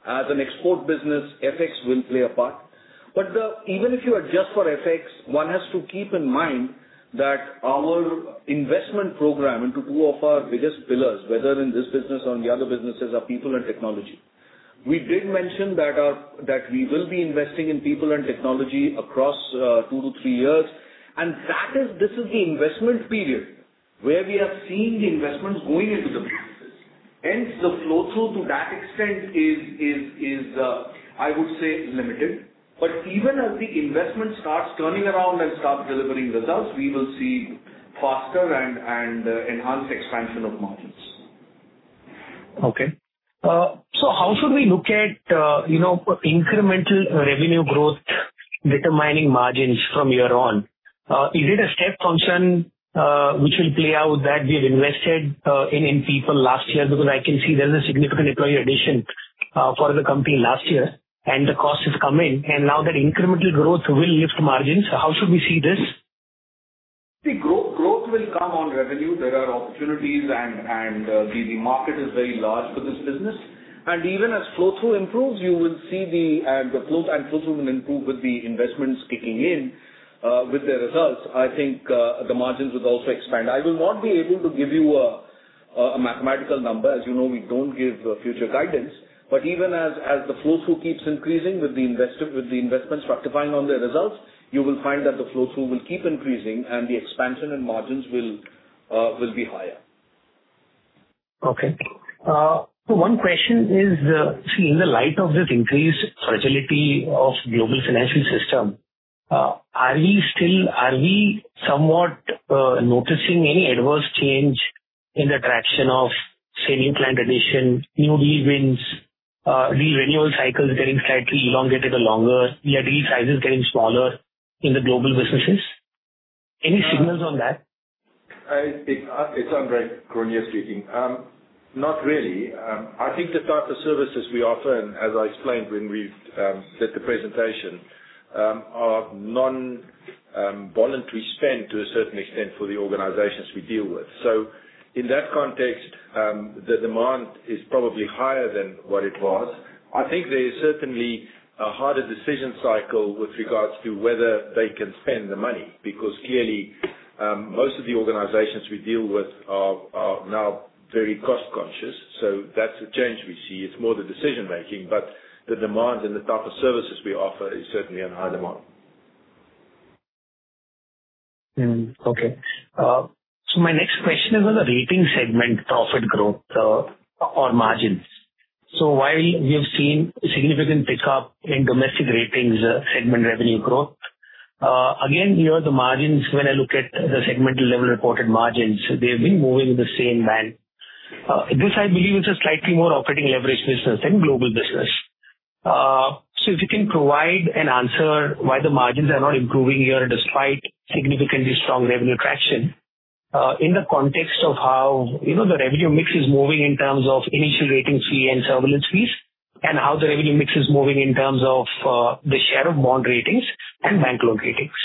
as an export business, FX will play a part, but even if you adjust for FX, one has to keep in mind that our investment program into two of our biggest pillars, whether in this business or in the other businesses, are people and technology. We did mention that we will be investing in people and technology across two to three years, and that is... this is the investment period where we are seeing the investments going into the business. Hence, the flow-through to that extent is, I would say limited. Even as the investment starts turning around and starts delivering results, we will see faster and enhanced expansion of margins. Okay. How should we look at, you know, incremental revenue growth determining margins from here on? Is it a step function, which will play out that we have invested, in people last year? Because I can see there's a significant employee addition, for the company last year and the cost is coming. Now that incremental growth will lift margins. How should we see this? The growth will come on revenue. There are opportunities and the market is very large for this business. And even as flow-through improves, you will see flow-through will improve with the investments kicking in with the results. I think the margins will also expand. I will not be able to give you a mathematical number. As you know, we don't give future guidance. But even as the flow-through keeps increasing with the investments rectifying on the results, you will find that the flow-through will keep increasing and the expansion in margins will be higher. One question is, see in the light of this increased fragility of global financial system, are we somewhat noticing any adverse change in the traction of, say, new client addition, new deal wins, deal renewal cycles getting slightly elongated or longer, deal sizes getting smaller in the global businesses? Any signals on that? It's Andre Cronje speaking. Not really. I think the type of services we offer, and as I explained when we set the presentation, are non, voluntary spend to a certain extent for the organizations we deal with. In that context, the demand is probably higher than what it was. I think there is certainly a harder decision cycle with regards to whether they can spend the money because clearly, most of the organizations we deal with are now very cost conscious, so that's a change we see. It's more the decision making, but the demand and the type of services we offer is certainly on high demand. Okay. My next question is on the ratings segment profit growth or margins. While we have seen a significant pickup in domestic ratings segment revenue growth, again, here the margins when I look at the segmental level reported margins, they've been moving in the same band. This I believe is a slightly more operating leverage business than global business. If you can provide an answer why the margins are not improving here despite significantly strong revenue traction, in the context of how, you know, the revenue mix is moving in terms of initial rating fee and surveillance fees, and how the revenue mix is moving in terms of the share of bond ratings and bank loan ratings.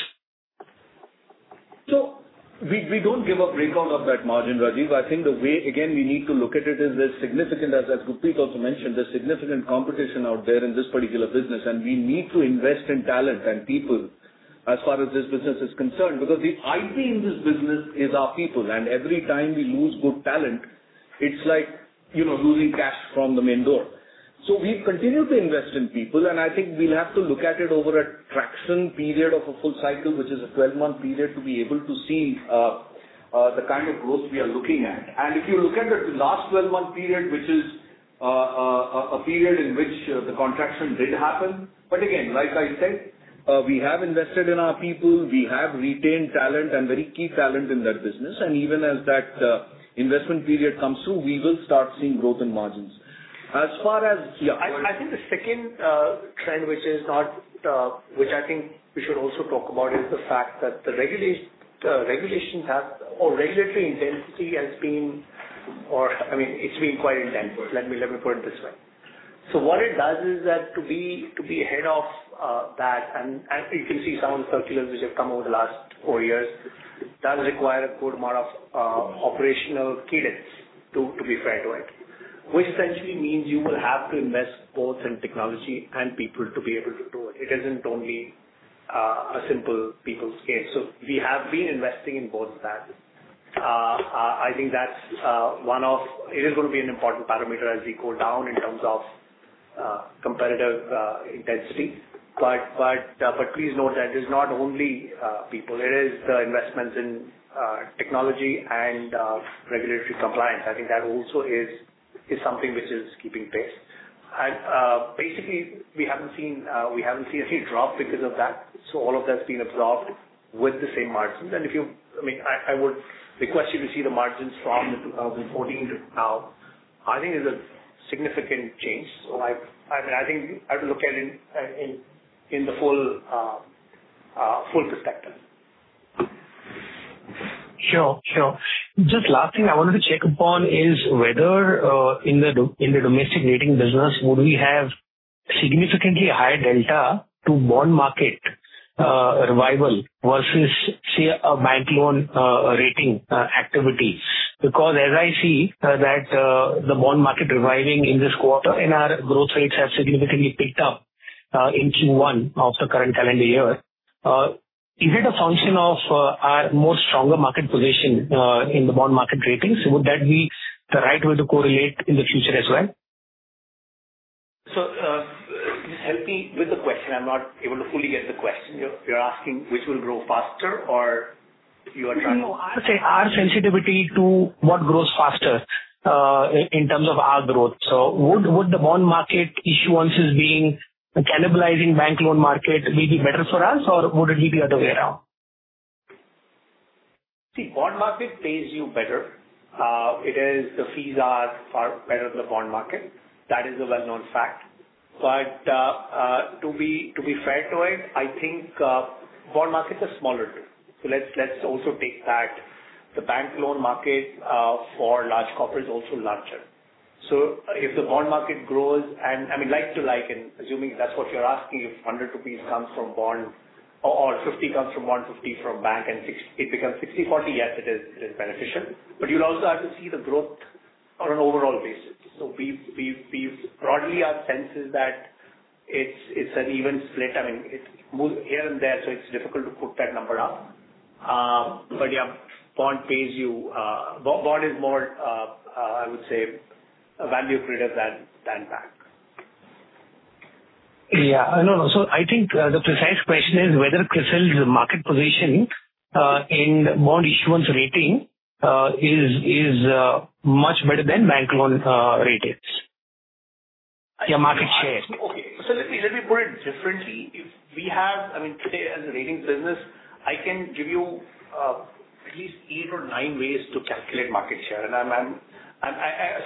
We don't give a breakout of that margin, Rajeev. I think the way again, we need to look at it is there's significant, as Gurpreet also mentioned, there's significant competition out there in this particular business and we need to invest in talent and people as far as this business is concerned. Because the IT in this business is our people, and every time we lose good talent, it's like, you know, losing cash from the main door. We've continued to invest in people, and I think we'll have to look at it over a traction period of a full cycle, which is a 12-month period, to be able to see the kind of growth we are looking at. If you look at the last 12-month period, which is a period in which the contraction did happen. Again, like I said, we have invested in our people. We have retained talent and very key talent in that business. Even as that investment period comes through, we will start seeing growth in margins. Yeah. I think the second trend, which is not which I think we should also talk about, is the fact that the regulation has or regulatory intensity has been, I mean, it's been quite intense. Let me put it this way. What it does is that to be, to be ahead of that, and if you see some of the circulars which have come over the last four years, it does require a good amount of operational cadence to be fair to it. Which essentially means you will have to invest both in technology and people to be able to do it. It isn't only a simple people scale. We have been investing in both of that. I think that's one of... It is going to be an important parameter as we go down in terms of competitive intensity. Please note that is not only people. It is the investments in technology and regulatory compliance. I think that also is something which is keeping pace. Basically, we haven't seen any drop because of that, so all of that's been absorbed with the same margins. If you... I mean, I would request you to see the margins from the 2014 to now. I think there's a significant change. I mean, I think I would look at it in the full full perspective. Sure. Sure. Just last thing I wanted to check upon is whether in the domestic rating business, would we have significantly higher delta to bond market revival versus, say, a bank loan rating activities? As I see that the bond market reviving in this quarter and our growth rates have significantly picked up in Q1 of the current calendar year. Is it a function of our more stronger market position in the bond market ratings? Would that be the right way to correlate in the future as well? Help me with the question. I'm not able to fully get the question. You're asking which will grow faster or you are trying to? No. I would say our sensitivity to what grows faster, in terms of our growth. Would the bond market issuance as being cannibalizing bank loan market may be better for us or would it be the other way around? See, bond market pays you better. It is the fees are far better than the bond market. That is a well-known fact. To be fair to it, I think bond market is smaller. Let's also take that. The bank loan market for large corporate is also larger. If the bond market grows and, I mean, like in assuming that's what you're asking, if 100 rupees comes from bond or 50 comes from bond, 50 from bank and it becomes 60-40, yes, it is beneficial. You'll also have to see the growth on an overall basis. We've broadly, our sense is that it's an even split. I mean, it's more here and there, so it's difficult to put that number up. But yeah, bond pays you. Bond is more, I would say, value creative than bank. Yeah. No, no. I think, the precise question is whether CRISIL's market positioning, in bond issuance rating, is much better than bank loan ratings? Your market share. Okay. Let me, let me put it differently. If we have... I mean, today as a rating business, I can give you 8 or 9 ways to calculate market share.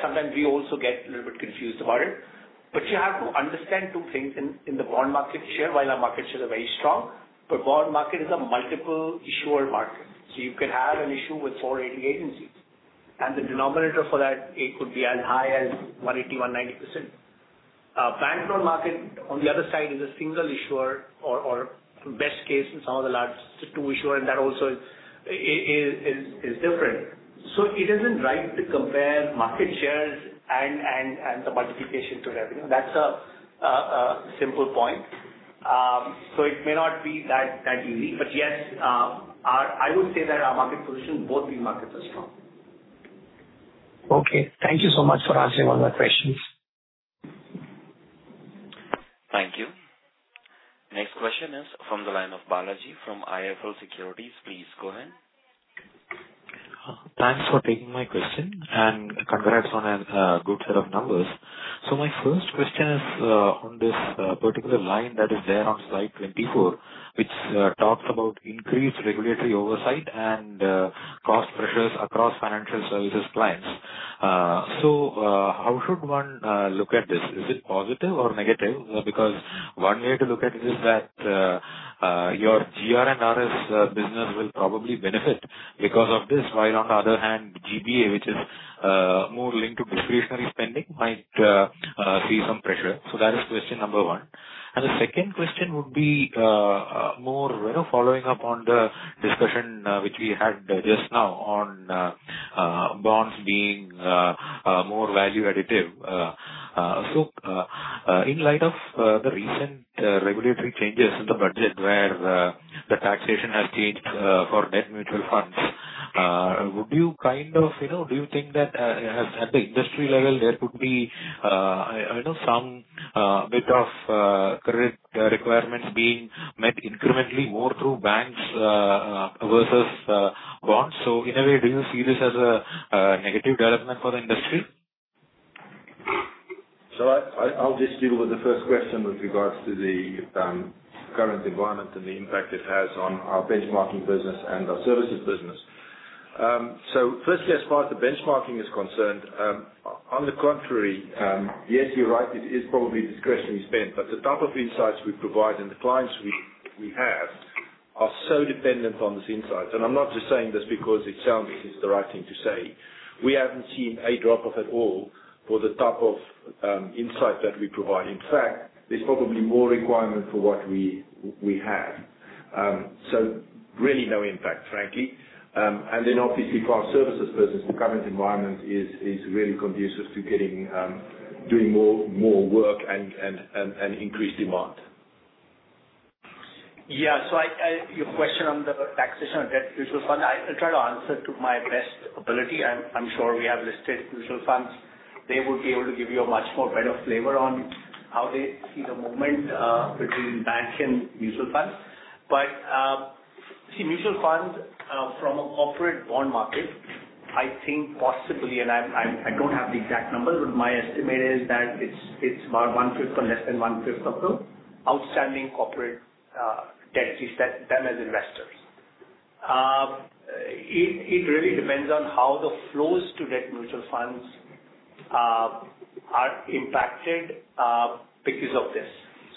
Sometimes we also get a little bit confused about it. You have to understand 2 things in the bond market share, while our market share is very strong, but bond market is a multiple issuer market. You can have an issue with 4 rating agencies. The denominator for that, it could be as high as 180%, 190%. Bank loan market, on the other side, is a single issuer or best case in some of the large, 2 issuer, and that also is, is different. It isn't right to compare market shares and, and the multiplication to revenue. That's a simple point. It may not be that unique. Yes, I would say that our market position, both the markets are strong. Okay. Thank you so much for answering all my questions. Thank you. Next question is from the line of Balaji from IIFL Securities. Please go ahead. Thanks for taking my question. Congrats on a good set of numbers. My first question is on this particular line that is there on slide 24, which talks about increased regulatory oversight and cost pressures across financial services clients. How should one look at this? Is it positive or negative? Because one way to look at it is that your GR&RS business will probably benefit because of this. While on the other hand, GBA, which is more linked to discretionary spending, might see some pressure. That is question number 1. The second question would be more, you know, following up on the discussion which we had just now on bonds being more value additive. In light of the recent regulatory changes in the budget where the taxation has changed for debt mutual funds, would you kind of, you know, do you think that at the industry level there could be, you know, some bit of credit requirements being met incrementally more through banks versus bonds? In a way, do you see this as a negative development for the industry? I'll just deal with the first question with regards to the current environment and the impact it has on our benchmarking business and our services business. Firstly, as far as the benchmarking is concerned, on the contrary, yes, you're right, it is probably discretionary spend, but the type of insights we provide and the clients we have are so dependent on these insights. I'm not just saying this because it sounds it is the right thing to say. We haven't seen a drop-off at all for the type of insight that we provide. In fact, there's probably more requirement for what we have. Really no impact, frankly. Then obviously for our services business, the current environment is really conducive to getting, doing more work and increased demand. Your question on the taxation of debt mutual fund, I'll try to answer to my best ability. I'm sure we have listed mutual funds. They would be able to give you a much more better flavor on how they see the movement between bank and mutual funds. See, mutual funds, from a corporate bond market, I think possibly, and I don't have the exact numbers, but my estimate is that it's about one-fifth or less than one-fifth of the outstanding corporate debt is them as investors. It really depends on how the flows to debt mutual funds are impacted because of this.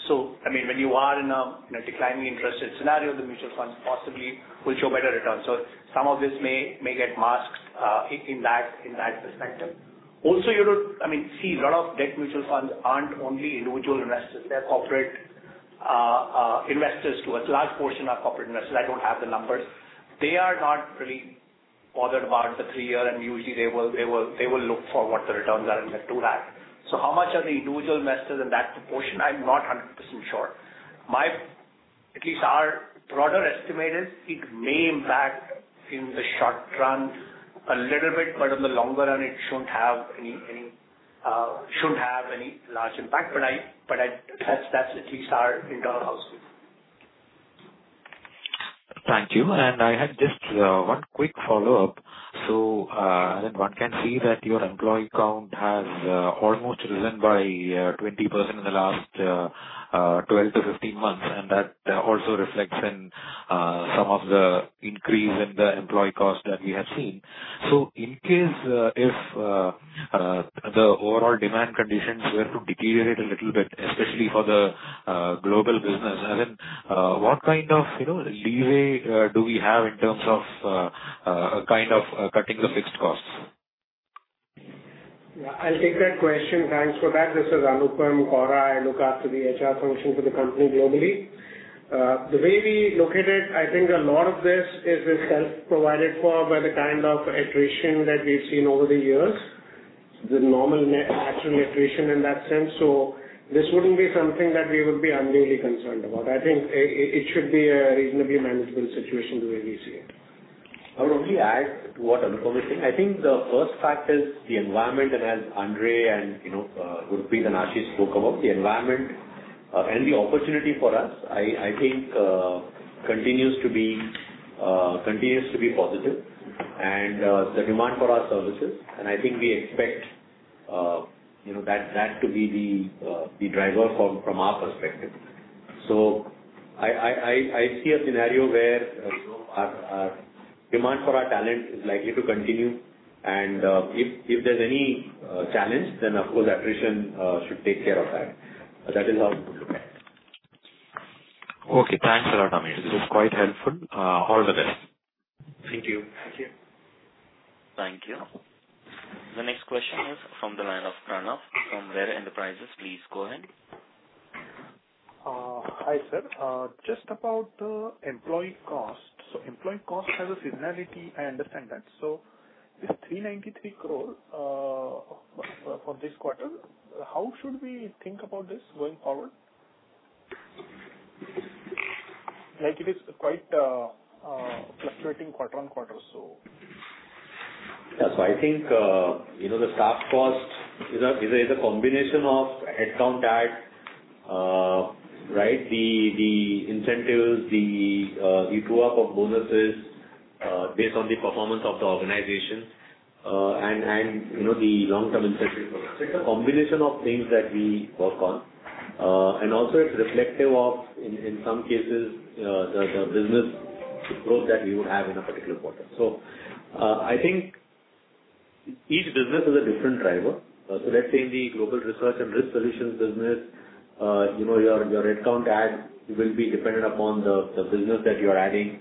I mean, when you are in a declining interest rate scenario, the mutual funds possibly will show better returns. Some of this may get masked in that perspective. You know, I mean, see a lot of debt mutual funds aren't only individual investors. They're corporate investors to a large portion of corporate investors. I don't have the numbers. They are not really bothered about the three year, usually they will look for what the returns are in the 2 lakh. How much are the individual investors in that proportion? I'm not 100% sure. At least our broader estimate is it may impact in the short run a little bit, but in the longer run it shouldn't have any large impact. That's at least our internal house view. Thank you. I had just one quick follow-up. Then one can see that your employee count has almost risen by 20% in the last 12 to 15 months, and that also reflects in some of the increase in the employee cost that we have seen. In case, if the overall demand conditions were to deteriorate a little bit, especially for the global business, I mean, what kind of, you know, leeway do we have in terms of kind of cutting the fixed costs? Yeah, I'll take that question. Thanks for that. This is Anupam Kaura. I look after the HR function for the company globally. The way we look at it, I think a lot of this is self provided for by the kind of attrition that we've seen over the years, the normal natural attrition in that sense. This wouldn't be something that we would be unduly concerned about. I think it should be a reasonably manageable situation the way we see it. I would only add to what Anupam is saying. I think the first fact is the environment, and as Andre, and you know, Gurpreet and Ashish spoke about, the environment and the opportunity for us, I think continues to be positive and the demand for our services. I think we expect, you know, that to be the driver from our perspective. I see a scenario where, you know, our demand for our talent is likely to continue and if there's any challenge, then of course attrition should take care of that. That is how we would look at it. Okay. Thanks a lot, Amish. This is quite helpful. All the best. Thank you. Thank you. Thank you. The next question is from the line of Pranav from Rera Enterprises. Please go ahead. Hi, sir. Just about the employee cost. Employee cost has a seasonality, I understand that. This 393 crore for this quarter, how should we think about this going forward? Like it is quite fluctuating quarter-on-quarter. I think, you know, the staff costs is a combination of headcount add, right, the incentives, the true up of bonuses, based on the performance of the organization, and, you know, the long-term incentive program. It's a combination of things that we work on. And also it's reflective of in some cases, the business growth that we would have in a particular quarter. I think each business is a different driver. Let's say in the Global Research and Risk Solutions business, you know, your headcount add will be dependent upon the business that you're adding,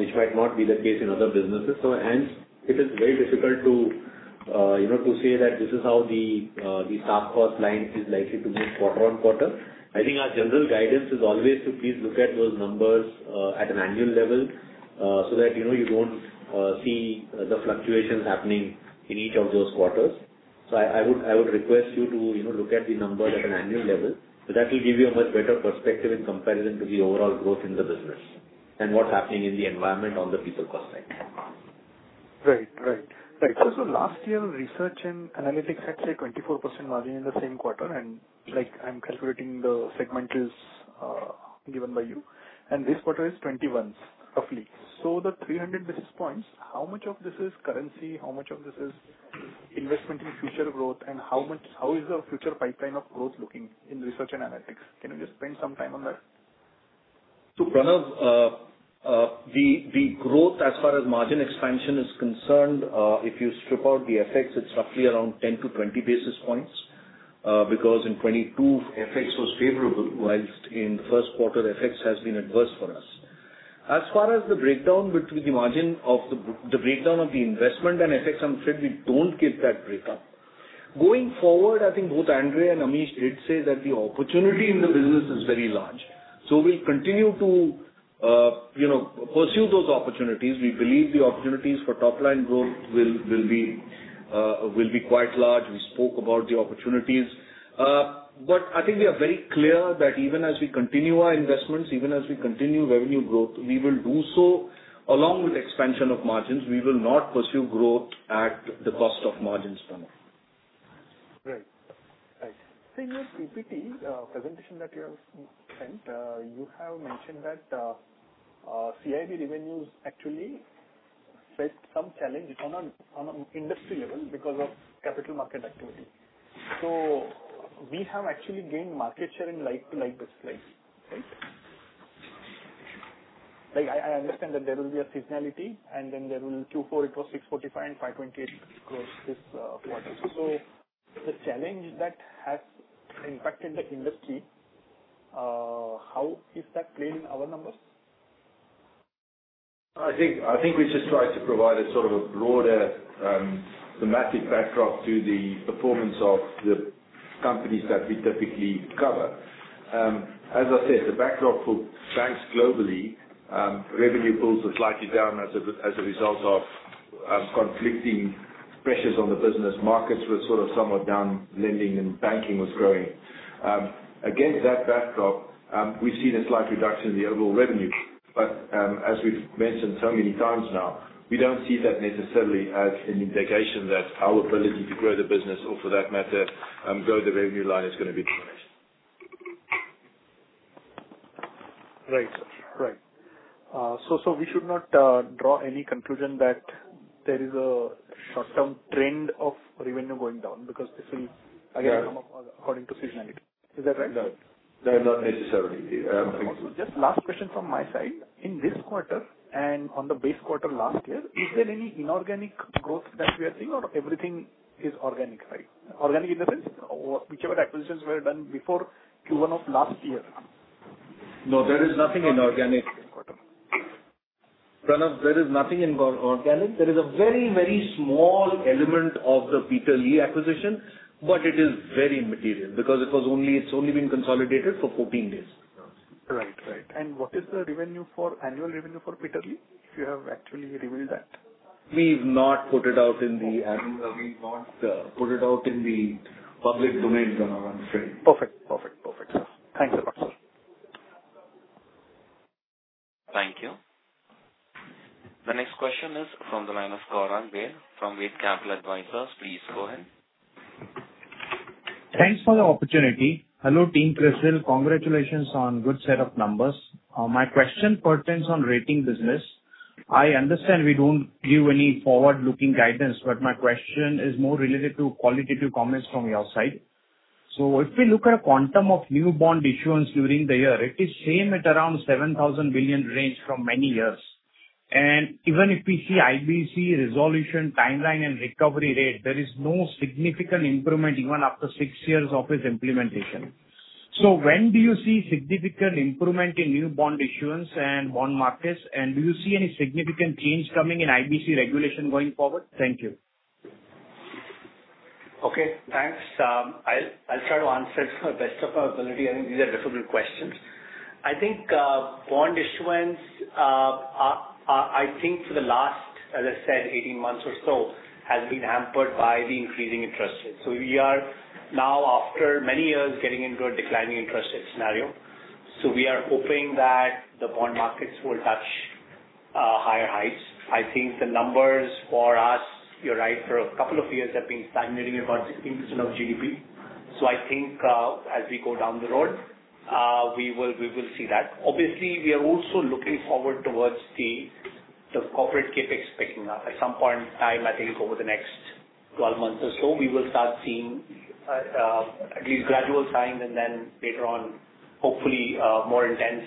which might not be the case in other businesses. Hence it is very difficult to, you know, to say that this is how the staff cost line is likely to move quarter-on-quarter. I think our general guidance is always to please look at those numbers at an annual level so that, you know, you don't see the fluctuations happening in each of those quarters. I would request you to, you know, look at the numbers at an annual level. That will give you a much better perspective in comparison to the overall growth in the business and what's happening in the environment on the people cost side. Right. Right. Right. Also last year, research and analytics had, say, 24% margin in the same quarter, and like I'm calculating the segment is given by you, and this quarter is 21 roughly. The 300 basis points, how much of this is currency? How much of this is investment in future growth? How is the future pipeline of growth looking in research and analytics? Can you just spend some time on that? Pranav, the growth as far as margin expansion is concerned, if you strip out the FX, it's roughly around 10 to 20 basis points, because in 2022 FX was favorable, whilst in the first quarter FX has been adverse for us. As far as the breakdown between the margin of the breakdown of the investment and FX, I'm afraid we don't give that breakup. Going forward, I think both Andre and Amish did say that the opportunity in the business is very large. We'll continue to, you know, pursue those opportunities. We believe the opportunities for top-line growth will be quite large. We spoke about the opportunities. I think we are very clear that even as we continue our investments, even as we continue revenue growth, we will do so along with expansion of margins. We will not pursue growth at the cost of margins, Pranav. Right. Right. In your PPT presentation that you have sent, you have mentioned that CIB revenues actually faced some challenge on a industry level because of capital market activity. We have actually gained market share in like to like business, right? Like, I understand that there will be a seasonality and then there will Q4 it was 645, 528 across this quarter. The challenge that has impacted the industry, how is that playing in our numbers? I think we just try to provide a sort of a broader thematic backdrop to the performance of the companies that we typically cover. As I said, the backdrop for banks globally, revenue pulls are slightly down as a result of conflicting pressures on the business. Markets were sort of somewhat down, lending and banking was growing. Against that backdrop, we've seen a slight reduction in the overall revenue. As we've mentioned so many times now, we don't see that necessarily as an indication that our ability to grow the business or for that matter, grow the revenue line is gonna be diminished. Right. Right. We should not draw any conclusion that there is a short-term trend of revenue going down because this will. Yeah. come up according to seasonality. Is that right? No. No, not necessarily. Just last question from my side. In this quarter and on the base quarter last year, is there any inorganic growth that we are seeing or everything is organic, right? Organic in the sense or whichever acquisitions were done before Q1 of last year. No, there is nothing inorganic. Pranav, there is nothing organic. There is a very small element of the Peter Lee acquisition, but it is very immaterial because it's only been consolidated for 14 days. Right. Right. What is the annual revenue for Peter Lee Associates, if you have actually revealed that? We've not put it out in the- Okay. We've not put it out in the public domain from our understanding. Perfect. Perfect. Perfect. Thanks a lot, sir. Thank you. The next question is from the line of Gaurang Vaid from Vaid Capital Advisors. Please go ahead. Thanks for the opportunity. Hello, team CRISIL. Congratulations on good set of numbers. My question pertains on rating business. I understand we don't give any forward-looking guidance, but my question is more related to qualitative comments from your side. If we look at a quantum of new bond issuance during the year, it is same at around 7,000 billion range from many years. Even if we see IBC resolution timeline and recovery rate, there is no significant improvement even after six years of its implementation. When do you see significant improvement in new bond issuance and bond markets? Do you see any significant change coming in IBC regulation going forward? Thank you. Okay. Thanks. I'll try to answer to the best of our ability. I think these are difficult questions. I think bond issuance, I think for the last, as I said, 18 months or so, has been hampered by the increasing interest rates. We are now after many years getting into a declining interest rate scenario. We are hoping that the bond markets will touch higher heights. I think the numbers for us, you're right, for a couple of years have been stagnating about 16% of GDP. I think as we go down the road, we will see that. Obviously, we are also looking forward towards the corporate CapEx picking up. At some point in time, I think over the next 12 months or so, we will start seeing at least gradual signs and then later on, hopefully, more intense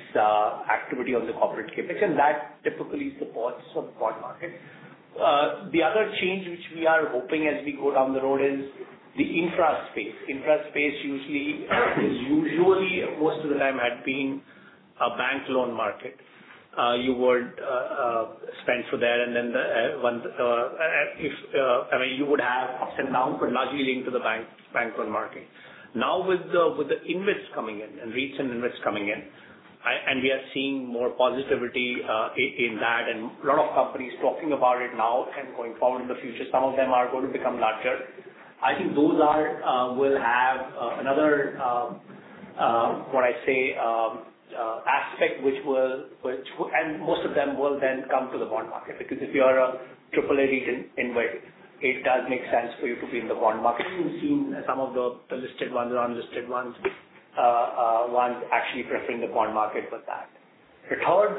activity on the corporate CapEx. That typically supports the bond market. The other change which we are hoping as we go down the road is the infra space. Infra space usually most of the time had been a bank loan market. You would spend for that If, I mean, you would have ups and downs but largely linked to the bank loan market. Now with the InvITs coming in and recent InvITs coming in, and we are seeing more positivity in that and a lot of companies talking about it now and going forward in the future. Some of them are going to become larger. I think those are will have another when I say aspect. Most of them will then come to the bond market. Because if you are a triple A in, InvIT, it does make sense for you to be in the bond market. We've seen some of the listed ones, unlisted ones actually preferring the bond market for that. The third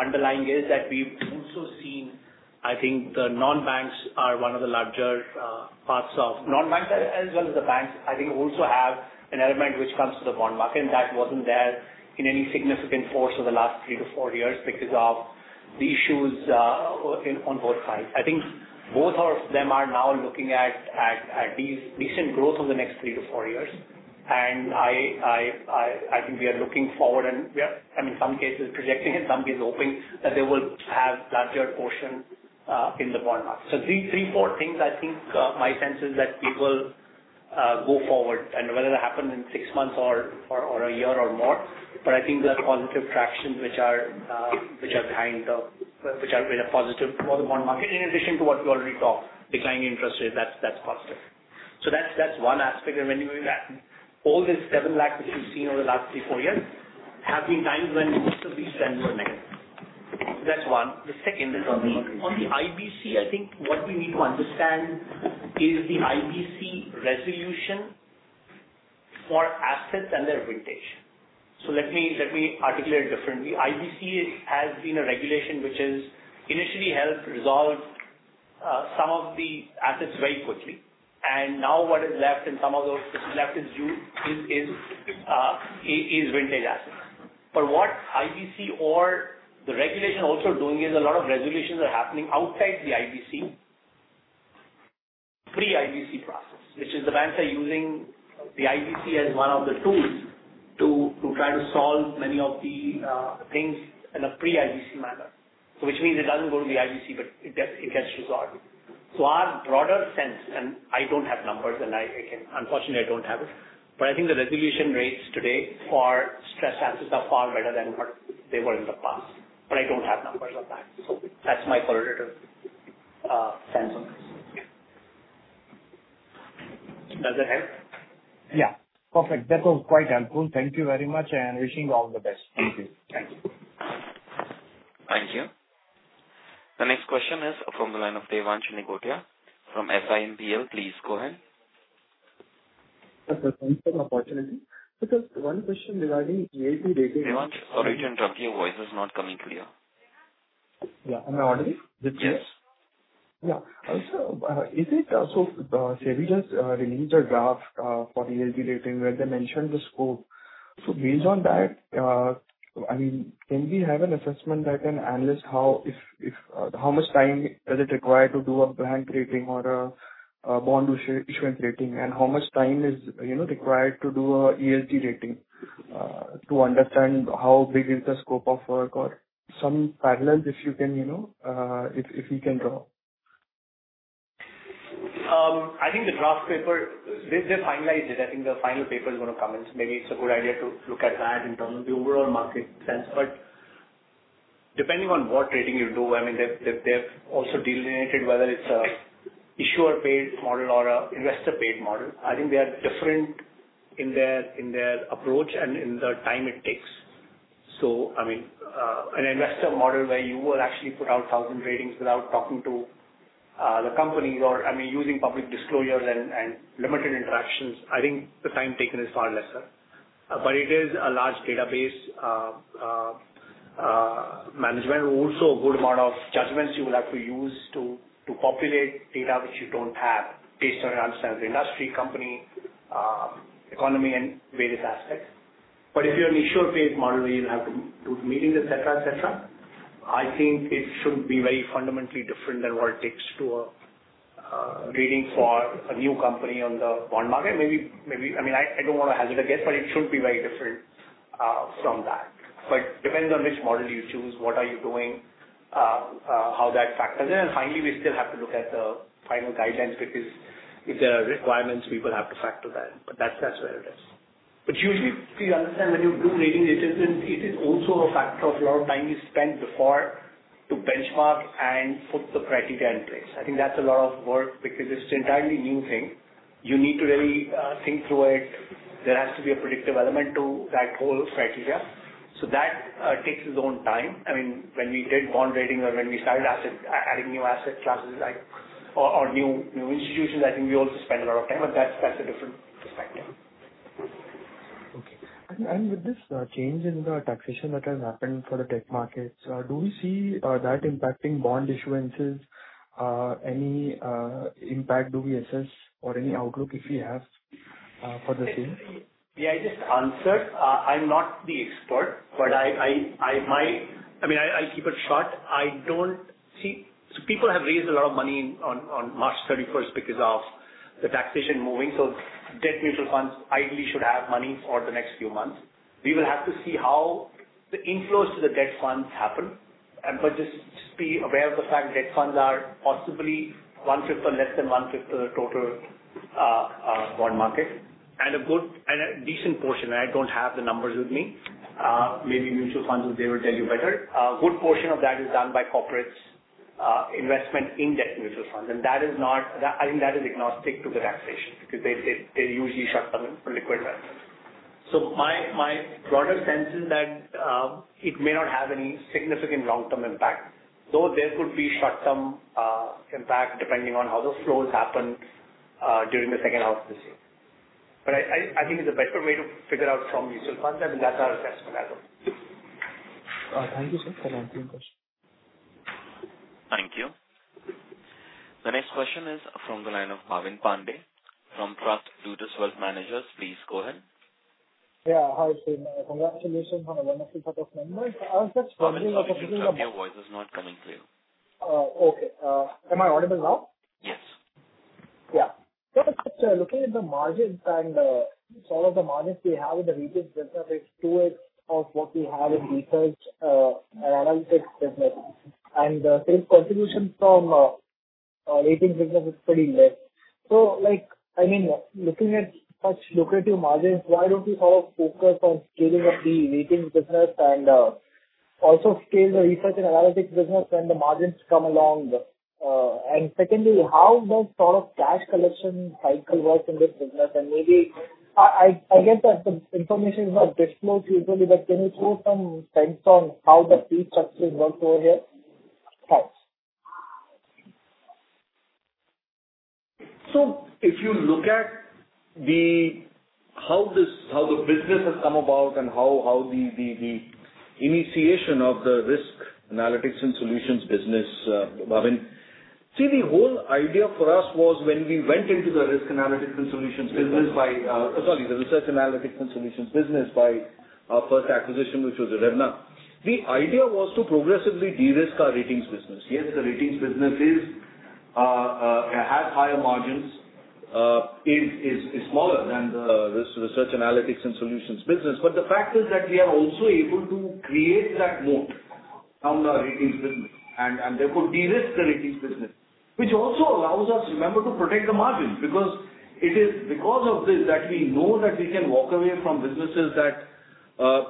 underlying is that we've also seen, I think the non-banks are one of the larger parts of. Non-banks as well as the banks, I think also have an element which comes to the bond market that wasn't there in any significant force over the last three to four years because of the issues in, on both sides. I think both of them are now looking at these decent growth over the next three to four years. I think we are looking forward and we are, I mean, in some cases projecting it, some cases hoping that they will have larger portion in the bond market. Three, four things I think my sense is that we will go forward and whether that happen in six months or a year or more, but I think there are positive tractions which have been a positive for the bond market in addition to what we already talked, declining interest rates, that's positive. That's one aspect. When you look at all this 7 lakh which we've seen over the last three, four years, have been times when most of these trends were negative. That's one. The second is on the IBC, I think what we need to understand is the IBC resolution for assets under vintage. Let me articulate it differently. IBC has been a regulation which has initially helped resolve some of the assets very quickly. Now what is left in some of those that is left is due is vintage assets. What IBC or the regulation also doing is a lot of resolutions are happening outside the IBC. Pre-IBC process, which is the banks are using the IBC as one of the tools to try to solve many of the things in a pre-IBC manner. Which means it doesn't go to the IBC, but it gets resolved. Our broader sense, and I don't have numbers, and I can unfortunately, I don't have it, but I think the resolution rates today for stressed assets are far better than what they were in the past. I don't have numbers on that. That's my qualitative sense on this. Does that help? Yeah. Perfect. That was quite helpful. Thank you very much, and wishing you all the best. Thank you. Thank you. Thank you. The next question is from the line of Devansh Nigotia from SiMPL. Please go ahead. Thanks for the opportunity. One question regarding ILT rating. Devansh, sorry to interrupt you. Your voice is not coming clear. Yeah. Am I audible? Yes. Yeah. Also, SEBI just released a draft for the ILT rating where they mentioned the scope. Based on that, I mean, can we have an assessment that can analyze how much time is it required to do a bank rating or a bond issuance rating, and how much time is, you know, required to do a ILT rating to understand how big is the scope of work or some parallels if you can, you know, if we can draw? I think the draft paper, they finalized it. I think the final paper is gonna come in. Maybe it's a good idea to look at that in terms of the overall market sense. Depending on what rating you do, I mean they've also delineated whether it's a issuer-paid model or a investor-paid model. I think they are different in their approach and in the time it takes. I mean, an investor model where you will actually put out 1,000 ratings without talking to the companies or, I mean, using public disclosures and limited interactions, I think the time taken is far lesser. It is a large database management. Also a good amount of judgments you will have to use to populate data which you don't have based on your understanding of the industry, company, economy and various aspects. If you're an issuer-paid model, where you'll have to meetings, et cetera, et cetera, I think it shouldn't be very fundamentally different than what it takes to rating for a new company on the bond market. Maybe... I mean, I don't wanna hazard a guess, but it shouldn't be very different from that. Depends on which model you choose, what are you doing, how that factors in. Finally, we still have to look at the final guidelines because if there are requirements, we will have to factor that in. That's, that's where it is. Usually we understand when you do rating assessments, it is also a factor of a lot of time you spend before to benchmark and put the criteria in place. I think that's a lot of work because it's an entirely new thing. You need to really think through it. There has to be a predictive element to that whole criteria. That takes its own time. I mean, when we did bond rating or when we started asset, adding new asset classes like or new institutions, I think we also spend a lot of time, but that's a different perspective. Okay. With this, change in the taxation that has happened for the tech markets, do we see, that impacting bond issuances? Any, impact do we assess or any outlook if we have, for the same? Yeah, I just answered. I'm not the expert, but I might. I mean, I keep it short. I don't see. People have raised a lot of money on March 31st because of the taxation moving. Debt mutual funds ideally should have money for the next few months. We will have to see how the inflows to the debt funds happen. Just, just be aware of the fact debt funds are possibly 1/5 or less than 1/5 of the total bond market. A good and a decent portion, I don't have the numbers with me, maybe mutual funds they will tell you better. A good portion of that is done by corporates, investment in debt mutual funds. That is not, I think that is agnostic to the taxation because they usually shut them in for liquid assets. My broader sense is that, it may not have any significant long-term impact, though there could be short-term impact depending on how the flows happen during the second half of this year. I think it's a better way to figure out from mutual funds, and that's our assessment as well. Thank you, sir. That concludes my questions. Thank you. The next question is from the line of Bhavin Pandey from TrustPlutus Wealth. Please go ahead. Yeah. Hi. Congratulations on a wonderful set of numbers. Bhavin, sorry to interrupt you. Your voice is not coming clear. Okay, am I audible now? Yes. Yeah. Just looking at the margins and some of the margins we have in the ratings business is two-fifths of what we have in research and analytics business. The sales contribution from ratings business is pretty less. Like, I mean, looking at such lucrative margins, why don't you sort of focus on scaling up the ratings business and also scale the research and analytics business when the margins come along? Secondly, how does sort of cash collection cycle work in this business? Maybe I get that the information is not disclosed usually, but can you throw some sense on how the fee structures work over here? Thanks. If you look at the how the business has come about and how the initiation of the risk analytics and solutions business, Bhavin. The whole idea for us was when we went into the risk analytics and solutions business by Sorry, the research analytics and solutions business by our first acquisition, which was Redna. The idea was to progressively de-risk our ratings business. The ratings business has higher margins, is smaller than the research analytics and solutions business. The fact is that we are also able to create that moat from the ratings business and therefore de-risk the ratings business, which also allows us, remember, to protect the margins because it is because of this that we know that we can walk away from businesses that,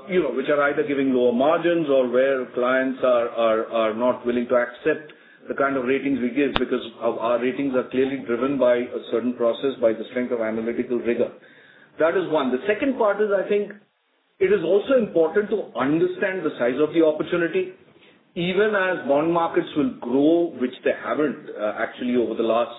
you know, which are either giving lower margins or where clients are not willing to accept the kind of ratings we give because our ratings are clearly driven by a certain process, by the strength of analytical rigor. That is one. The second part is, I think, it is also important to understand the size of the opportunity. Even as bond markets will grow, which they haven't, actually over the last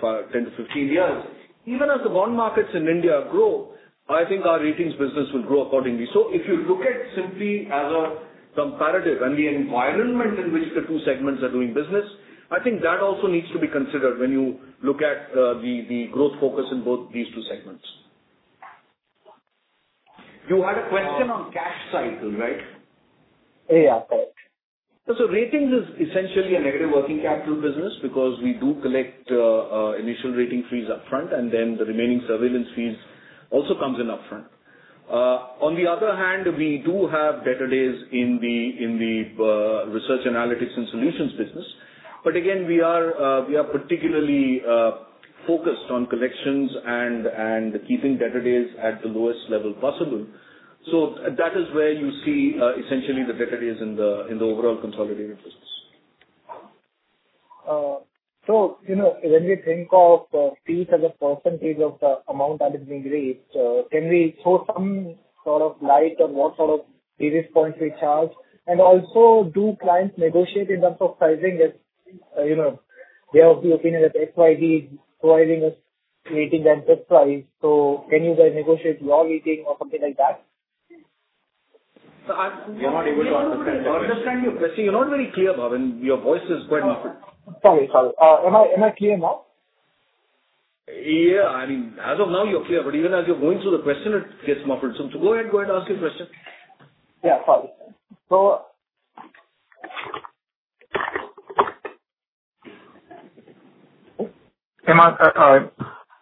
five, 10 to 15 years. Even as the bond markets in India grow, I think our ratings business will grow accordingly. If you look at simply as a comparative and the environment in which the two segments are doing business, I think that also needs to be considered when you look at the growth focus in both these two segments. You had a question on cash cycle, right? Yeah. Correct. ratings is essentially a negative working capital business because we do collect initial rating fees up front, and then the remaining surveillance fees also comes in upfront. We do have better days in the research analytics and solutions business. Again, we are particularly focused on collections and keeping better days at the lowest level possible. That is where you see essentially the better days in the overall consolidated business. So, you know, when we think of fees as a percentage of the amount that is being raised, can we throw some sort of light on what sort of basis points we charge? Do clients negotiate in terms of pricing if, you know, they have the opinion that XYZ is providing us rating than best price, so can you guys negotiate lower rating or something like that? So I'm- We're not able to understand your question. I understand you. See, you're not very clear, Bhavin. Your voice is quite muffled. Sorry. Am I clear now? Yeah. I mean, as of now you're clear. Even as you're going through the question, it gets muffled. Go ahead and ask your question. Yeah, sorry.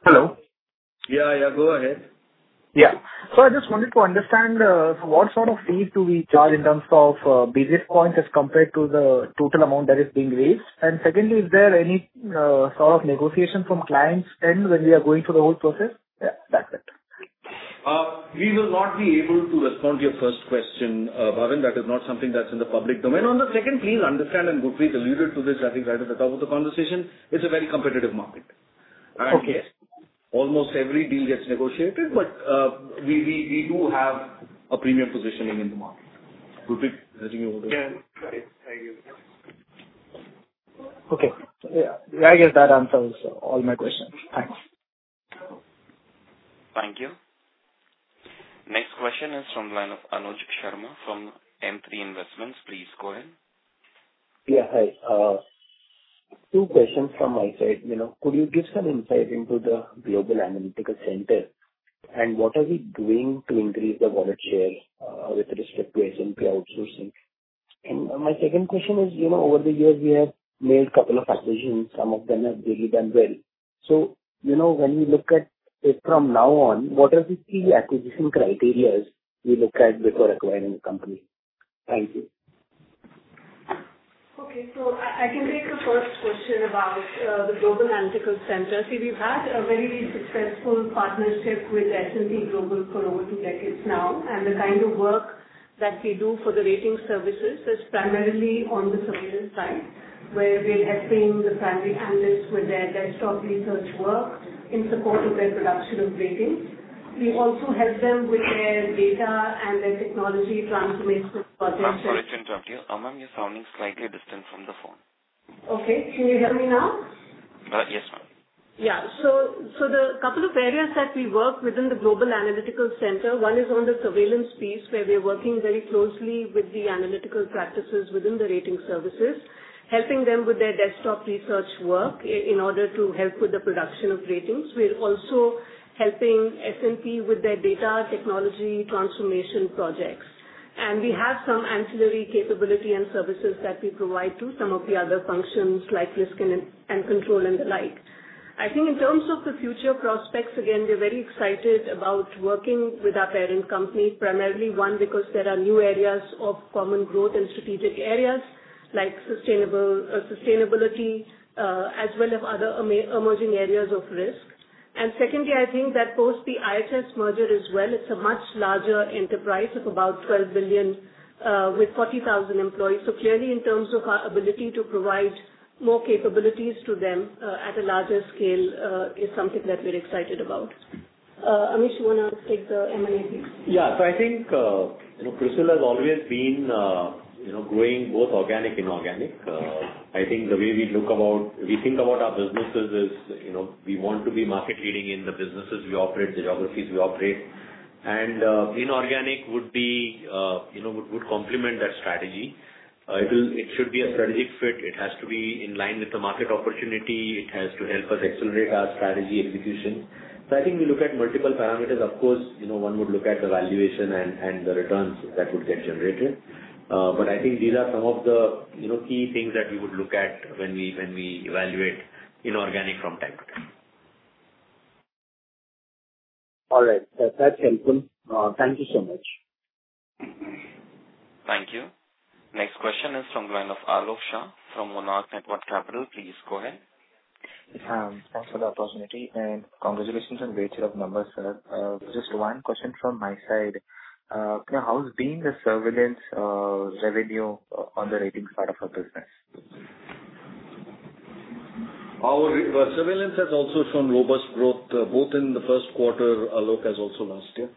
Hello. Yeah, yeah. Go ahead. I just wanted to understand what sort of fees do we charge in terms of business points as compared to the total amount that is being raised? Secondly, is there any sort of negotiation from clients' end when we are going through the whole process? That's it. We will not be able to respond to your first question, Bhavin. That is not something that's in the public domain. On the second, please understand, and Gurpreet alluded to this, I think, right at the top of the conversation. It's a very competitive market. Okay. Yes, almost every deal gets negotiated, but, we do have a premium positioning in the market. Gurpreet, I think you want to- Yeah. Got it. Thank you. Okay. Yeah. I guess that answers all my questions. Thanks. Thank you. Next question is from the line of Anuj Sharma from M3 Investment. Please go ahead. Yeah. Hi. Two questions from my side, you know. Could you give some insight into the Global Analytical Centre and what are we doing to increase the market share with respect to S&P outsourcing? My second question is, you know, over the years we have made couple of acquisitions, some of them have really done well. You know, when we look at it from now on, what are the key acquisition criterias we look at before acquiring a company? Thank you. Okay. I can take the first question about the Global Analytical Centre. See, we've had a very successful partnership with S&P Global for over two decades now. The kind of work that we do for the ratings services is primarily on the surveillance side, where we're helping the primary analysts with their desktop research work in support of their production of ratings. We also help them with their data and their technology transformation projects. I'm sorry to interrupt you. Ma'am, you're sounding slightly distant from the phone. Okay. Can you hear me now? Yes, ma'am. The couple of areas that we work within the Global Analytical Centre, one is on the surveillance piece, where we're working very closely with the analytical practices within the rating services, helping them with their desktop research work in order to help with the production of ratings. We're also helping S&P with their data technology transformation projects. We have some ancillary capability and services that we provide to some of the other functions like risk and control and the like. I think in terms of the future prospects, again, we're very excited about working with our parent company, primarily, one, because there are new areas of common growth and strategic areas like sustainable sustainability as well as other emerging areas of risk. Secondly, I think that post the IHS Markit merger as well, it's a much larger enterprise of about $12 billion, with 40,000 employees. Clearly in terms of our ability to provide more capabilities to them, at a larger scale, is something that we're excited about. Amish, you wanna take the M&A piece? I think, you know, CRISIL has always been, you know, growing both organic, inorganic. I think the way we think about our businesses is, you know, we want to be market leading in the businesses we operate, geographies we operate. Inorganic would be, you know, would complement that strategy. It should be a strategic fit. It has to be in line with the market opportunity. It has to help us accelerate our strategy execution. I think we look at multiple parameters. Of course, you know, one would look at the valuation and the returns that would get generated. I think these are some of the, you know, key things that we would look at when we evaluate inorganic from time to time. All right. That's helpful. Thank you so much. Thank you. Next question is from the line of Aalok Shah from Monarch Networth Capital. Please go ahead. Thanks for the opportunity, and congratulations on great set of numbers, sir. Just one question from my side. How's been the surveillance revenue on the ratings part of your business? Our Surveillance has also shown robust growth, both in the first quarter, Alok, as also last year.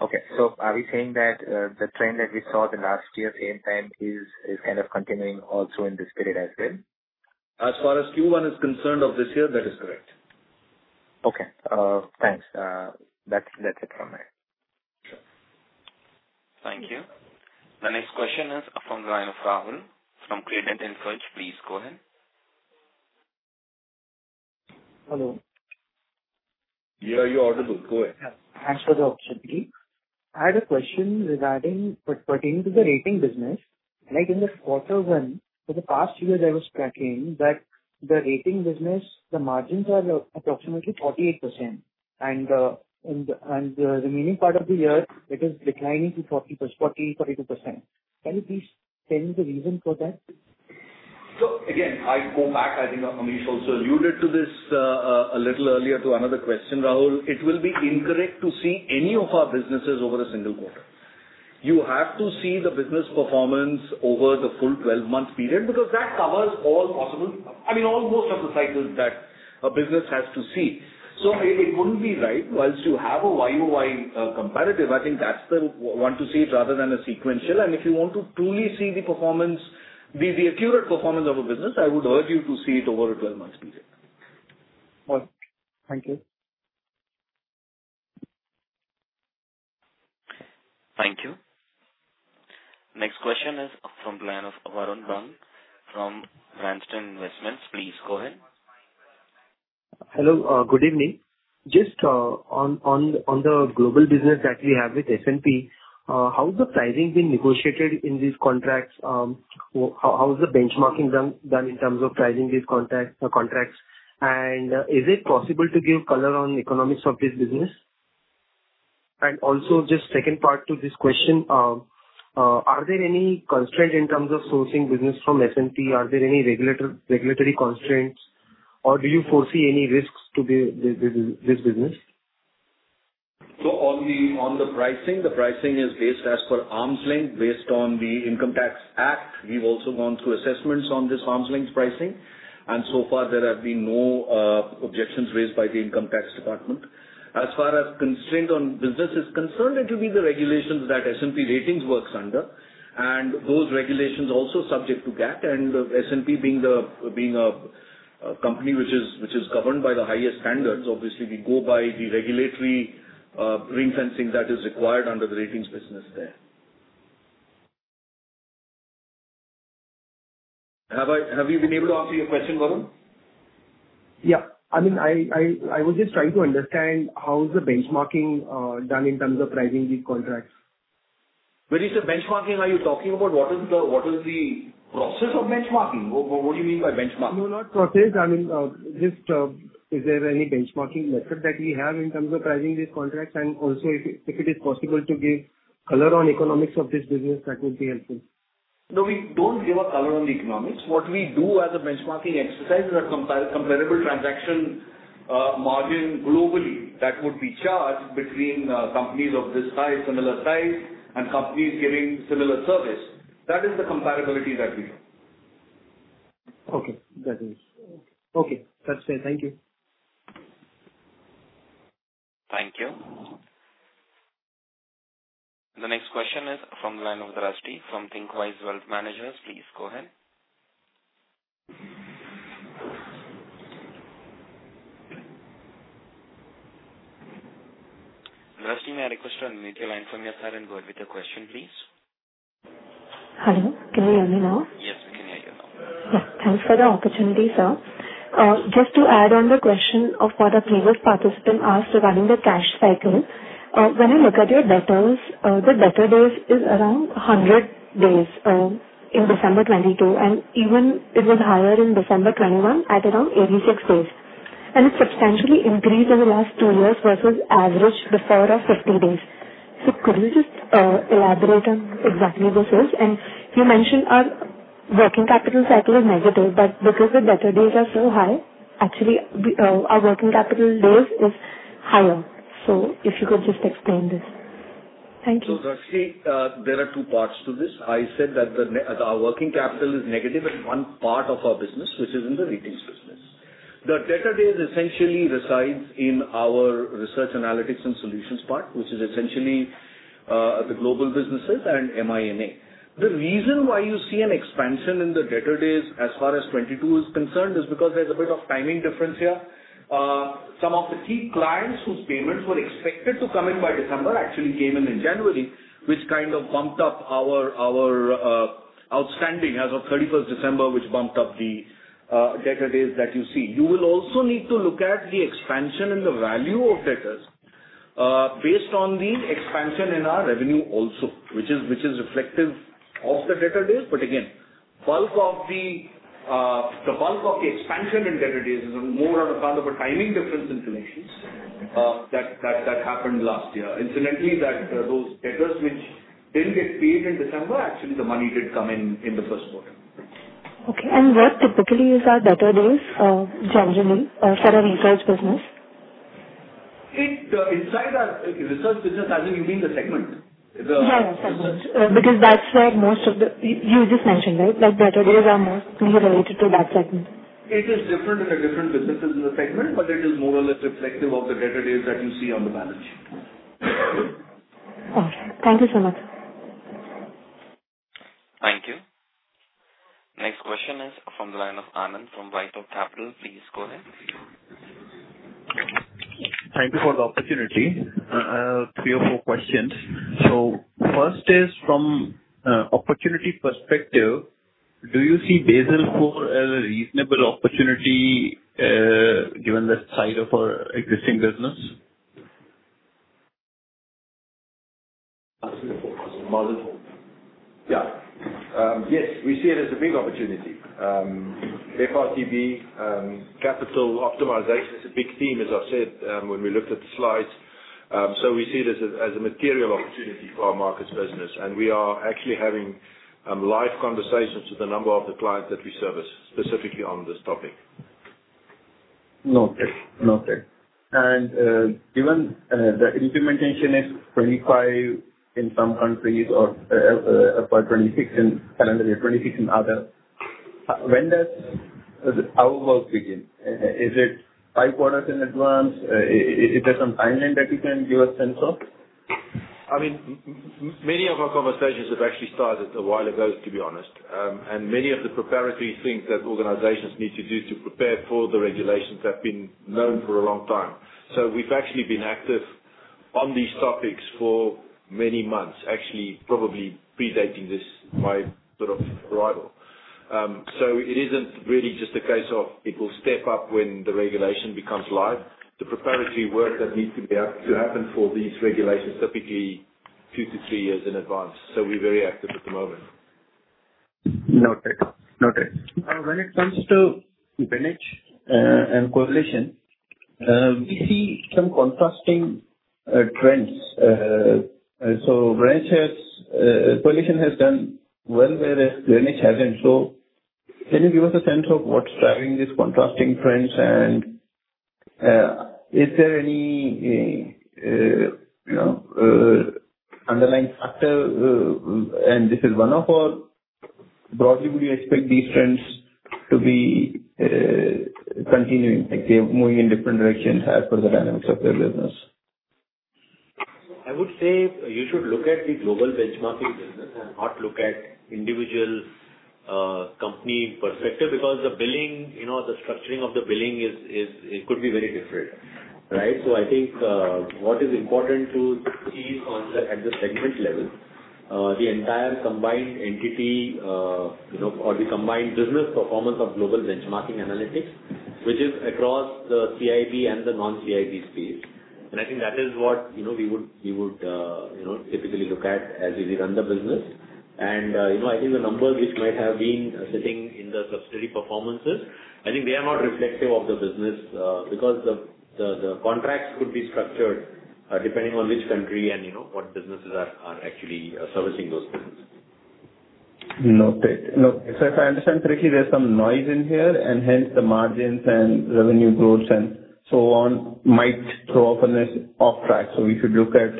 Okay. Are we saying that the trend that we saw the last year same time is kind of continuing also in this period as well? As far as Q1 is concerned of this year, that is correct. Okay. Thanks. That's it from me. Sure. Thank you. The next question is from the line of Rahul from Credent Research. Please go ahead. Hello. Yeah, you're audible. Go ahead. Thanks for the opportunity. I had a question regarding, pertaining to the rating business. Like, in Q1, for the past few years I was tracking that the rating business, the margins are approximately 48%. and the remaining part of the year it is declining to 40%, 40%-42%. Can you please tell me the reason for that? Again, I go back. I think Amish also alluded to this, a little earlier to another question, Rahul. It will be incorrect to see any of our businesses over a single quarter. You have to see the business performance over the full 12-month period because that covers all possible, I mean, almost of the cycles that a business has to see. It wouldn't be right. Whilst you have a YOY comparative, I think that's the one to see rather than a sequential. If you want to truly see the accurate performance of a business, I would urge you to see it over a 12-month period. All right. Thank you. Thank you. Next question is from the line of [Varun Bahl from Branston Investments]. Please go ahead. Hello. Good evening. Just on the global business that we have with S&P, how is the pricing being negotiated in these contracts? How is the benchmarking done in terms of pricing these contracts? Is it possible to give color on economics of this business? Also just second part to this question, are there any constraints in terms of sourcing business from S&P? Are there any regulatory constraints, or do you foresee any risks to this business? On the pricing, the pricing is based as per arm's length, based on the Income Tax Act. We've also gone through assessments on this arm's length pricing, and so far there have been no objections raised by the income tax department. As far as constraint on business is concerned, it will be the regulations that S&P Ratings works under, and those regulations also subject to GAAP. S&P being a company which is governed by the highest standards, obviously we go by the regulatory ring-fencing that is required under the ratings business there. Have we been able to answer your question, Varun? Yeah. I mean, I was just trying to understand how is the benchmarking done in terms of pricing these contracts? When you say benchmarking, are you talking about what is the process of benchmarking? What do you mean by benchmarking? No, not process. I mean, just, is there any benchmarking method that we have in terms of pricing these contracts? Also if it is possible to give color on economics of this business, that would be helpful. We don't give a color on the economics. What we do as a benchmarking exercise is a comparable transaction margin globally that would be charged between companies of this size, similar size, and companies giving similar service. That is the comparability that we have. Okay. That's it. Thank you. Thank you. The next question is from the line of Drashti from Thinqwise Wealth Managers. Please go ahead. Drashti, may I request you to unmute your line from your side and go ahead with your question, please. Hello, can you hear me now? Yes, we can hear you now. Thanks for the opportunity, sir. Just to add on the question of what a previous participant asked regarding the cash cycle. When I look at your debtors, the debtor days is around 100 days in December 2022, and even it was higher in December 2021 at around 86 days. It's substantially increased in the last two years versus average before of 50 days. Could you just elaborate on exactly this is? You mentioned our working capital cycle is negative, but because the debtor days are so high, actually the our working capital days is higher. If you could just explain this. Thank you Drashti, there are two parts to this. I said that our working capital is negative in one part of our business, which is in the ratings business. The debtor days essentially resides in our research analytics and solutions part, which is essentially the global businesses and MENA. The reason why you see an expansion in the debtor days as far as 22 is concerned is because there's a bit of timing difference here. Some of the key clients whose payments were expected to come in by December actually came in January, which kind of bumped up our outstanding as of 31st December, which bumped up the debtor days that you see. You will also need to look at the expansion in the value of debtors, based on the expansion in our revenue also, which is reflective of the debtor days. Again, the bulk of the expansion in debtor days is more on account of a timing difference in collections, that happened last year. Incidentally, that, those debtors which didn't get paid in December, actually the money did come in the first quarter. Okay. What typically is our debtor days, generally for a research business? It, inside our research business, as in you mean the segment? Yeah. Because that's where most of the... You just mentioned, right? Like, debtor days are more heavily related to that segment. It is different in the different businesses in the segment. It is more or less reflective of the debtor days that you see on the balance sheet. All right. Thank you so much. Thank you. Next question is from the line of Anand from Lightrock India. Please go ahead. Thank you for the opportunity. I have 3 or 4 questions. First is, from, opportunity perspective, do you see Basel IV as a reasonable opportunity, given the size of our existing business? Basel IV. Basel IV. Yeah. Yes, we see it as a big opportunity. FRTB, capital optimization is a big theme, as I said, when we looked at the slides. We see it as a material opportunity for our markets business. We are actually having, live conversations with a number of the clients that we service specifically on this topic. Noted. Noted. Given the implementation is 25 in some countries or by 2026 in calendar year 2026 in others, when does our work begin? Is there some timeline that you can give a sense of? I mean, many of our conversations have actually started a while ago, to be honest. Many of the preparatory things that organizations need to do to prepare for the regulations have been known for a long time. We've actually been active on these topics for many months, actually probably predating this, my sort of arrival. It isn't really just a case of people step up when the regulation becomes live. The preparatory work that needs to happen for these regulations typically two to three years in advance. We're very active at the moment. Noted. Noted. When it comes to Vintage, and Coalition, we see some contrasting trends. Coalition has done well, whereas Vintage hasn't. Can you give us a sense of what's driving these contrasting trends? Is there any, you know, underlying factor? This is one-off, or broadly would you expect these trends to be continuing, like, they're moving in different directions as per the dynamics of their business? I would say you should look at the global benchmarking business and not look at individual company perspective because the billing, you know, the structuring of the billing is, it could be very different, right? I think what is important to see is on the, at the segment level, the entire combined entity, you know, or the combined business performance of global benchmarking analytics, which is across the CIB and the non-CIB space. I think that is what, you know, we would, you know, typically look at as we run the business. You know, I think the numbers which might have been sitting in the subsidiary performances, I think they are not reflective of the business because the contracts could be structured depending on which country and, you know, what businesses are actually servicing those businesses. Noted. Noted. If I understand correctly, there's some noise in here, and hence the margins and revenue growth and so on might throw off on this off track. We should look at,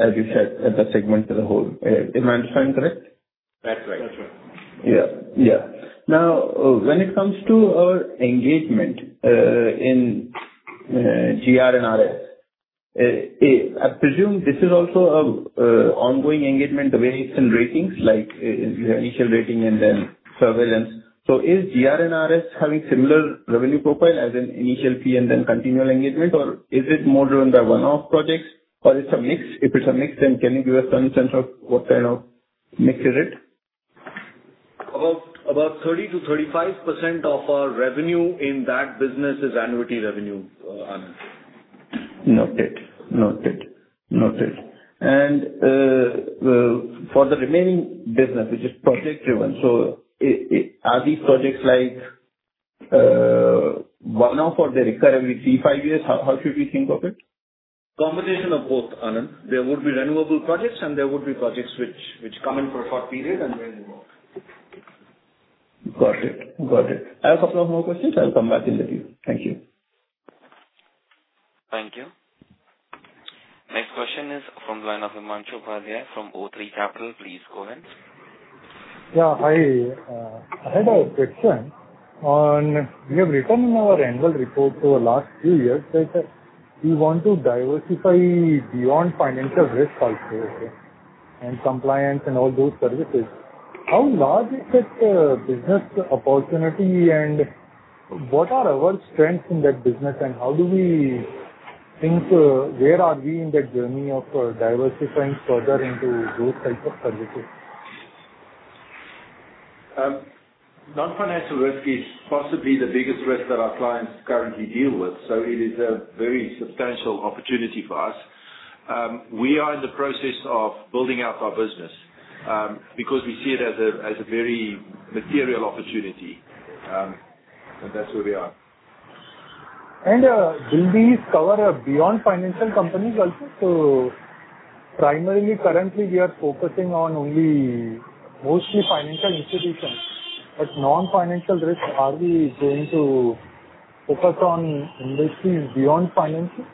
as you said, at the segment as a whole. Am I understanding correct? That's right. That's right. Yeah. Yeah. Now, when it comes to our engagement, in GR&RS, I presume this is also a ongoing engagement the way it's in ratings, like initial rating and then surveillance. Is GR&RS having similar revenue profile as in initial fee and then continual engagement, or is it more driven by one-off projects or it's a mix? If it's a mix, can you give us some sense of what kind of mix is it? About 30%-35% of our revenue in that business is annuity revenue, Anand. Noted. Noted. Noted. For the remaining business, which is project-driven, Are these projects like one-off or they recur every three, five years? How should we think of it? Combination of both, Anand. There would be renewable projects and there would be projects which come in for a short period and then- Got it. Got it. I have a couple of more questions. I'll come back in the queue. Thank you. Thank you. Next question is from the line of Himanshu Upadhyay from o3 Capital. Please go ahead. Yeah. Hi. I had a question on, we have written in our annual report for the last few years that, we want to diversify beyond financial risk also and compliance and all those services. How large is that business opportunity and what are our strengths in that business? How do we think, where are we in that journey of, diversifying further into those types of services? Non-financial risk is possibly the biggest risk that our clients currently deal with, so it is a very substantial opportunity for us. We are in the process of building out our business, because we see it as a very material opportunity. That's where we are. Do these cover beyond financial companies also? Primarily, currently we are focusing on only mostly financial institutions, but non-financial risks, are we going to focus on industries beyond financial?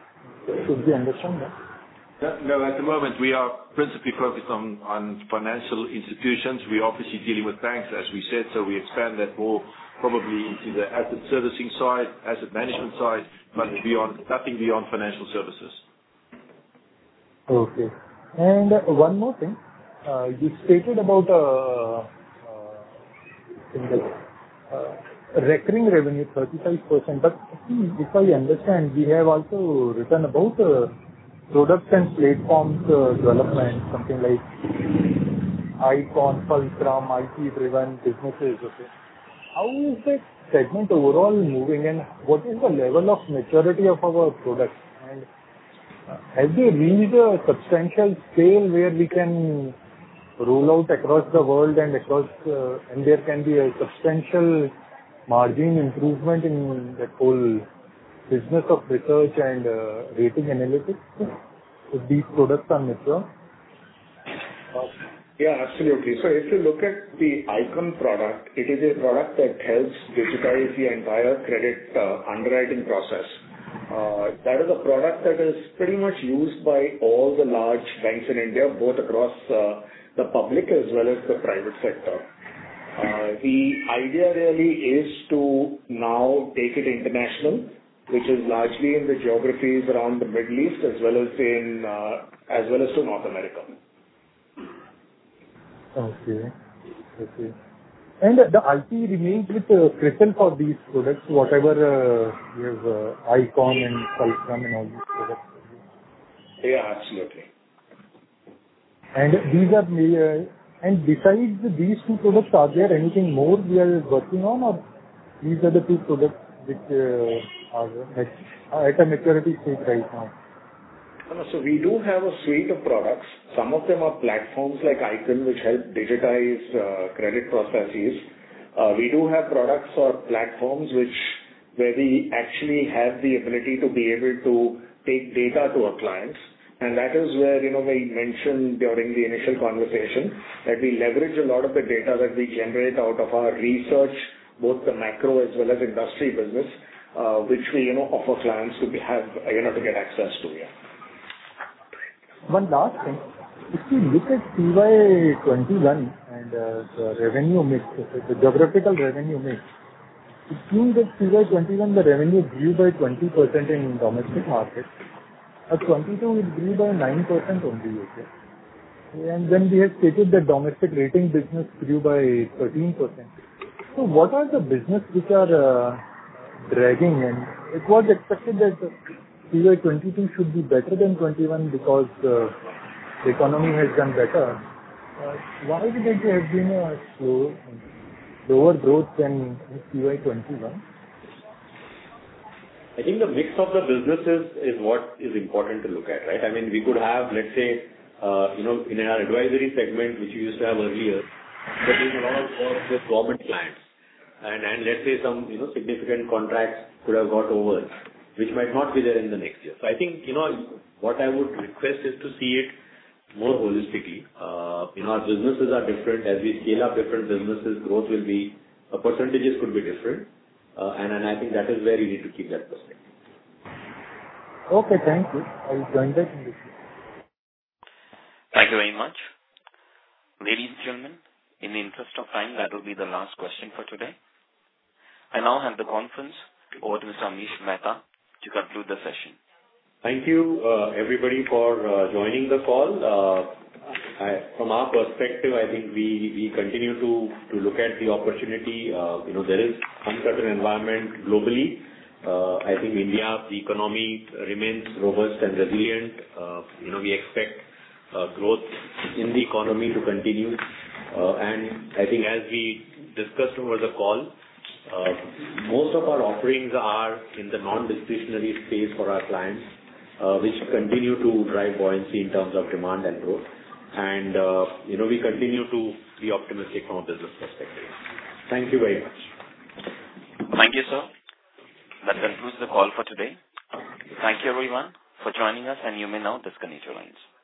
Should we understand that? No, at the moment, we are principally focused on financial institutions. We're obviously dealing with banks, as we said, so we expand that more probably into the asset servicing side, asset management side, but beyond, nothing beyond financial services. Okay. One more thing. You stated about recurring revenue 35%. If I understand, we have also written about products and platforms development, something like ICON, Fulcrum, IT-driven businesses. Okay. How is that segment overall moving, and what is the level of maturity of our products? Have we reached a substantial scale where we can roll out across the world and across. There can be a substantial margin improvement in that whole business of research and rating analytics with these products on the floor? Absolutely. If you look at the ICON product, it is a product that helps digitize the entire credit underwriting process. That is a product that is pretty much used by all the large banks in India, both across the public as well as the private sector. The idea really is to now take it international, which is largely in the geographies around the Middle East as well as in, as well as to North America. Okay. Okay. The IT remains with CRISIL for these products, whatever we have, ICON and Fulcrum and all these products. Yeah, absolutely. These are main. Besides these two products, are there anything more we are working on or these are the two products which are at a maturity stage right now? We do have a suite of products. Some of them are platforms like ICON, which help digitize credit processes. We do have products or platforms which, where we actually have the ability to be able to take data to our clients. That is where, you know, we mentioned during the initial conversation that we leverage a lot of the data that we generate out of our research, both the macro as well as industry business, which we, you know, offer clients to be, have, you know, to get access to. Yeah. One last thing. If you look at FY 2021 and the revenue mix, the geographical revenue mix, it seems that FY 2021, the revenue grew by 20% in domestic market. At 2022, it grew by 9% only. Okay. We had stated that domestic rating business grew by 13%. What are the business which are dragging? It was expected that FY 2022 should be better than 2021 because the economy has done better. Why did FY have been slow, lower growth than FY 2021? I think the mix of the businesses is what is important to look at, right? I mean, we could have, let's say, you know, in our advisory segment, which we used to have earlier, that we had all worked with government clients. Let's say some, you know, significant contracts could have got over, which might not be there in the next year. I think, you know, what I would request is to see it more holistically. You know, our businesses are different. As we scale up different businesses, growth will be, percentages could be different. And I think that is where you need to keep that perspective. Okay. Thank you. I'll join back in the queue. Thank you very much. Ladies and gentlemen, in the interest of time, that will be the last question for today. I now hand the conference over to Mr. Amish Mehta to conclude the session. Thank you, everybody for joining the call. I, from our perspective, I think we continue to look at the opportunity. You know, there is uncertain environment globally. I think India, the economy remains robust and resilient. You know, we expect growth in the economy to continue. I think as we discussed over the call, most of our offerings are in the non-discretionary space for our clients, which continue to drive buoyancy in terms of demand and growth. You know, we continue to be optimistic from a business perspective. Thank you very much. Thank you, sir. That concludes the call for today. Thank you everyone for joining us, and you may now disconnect your lines.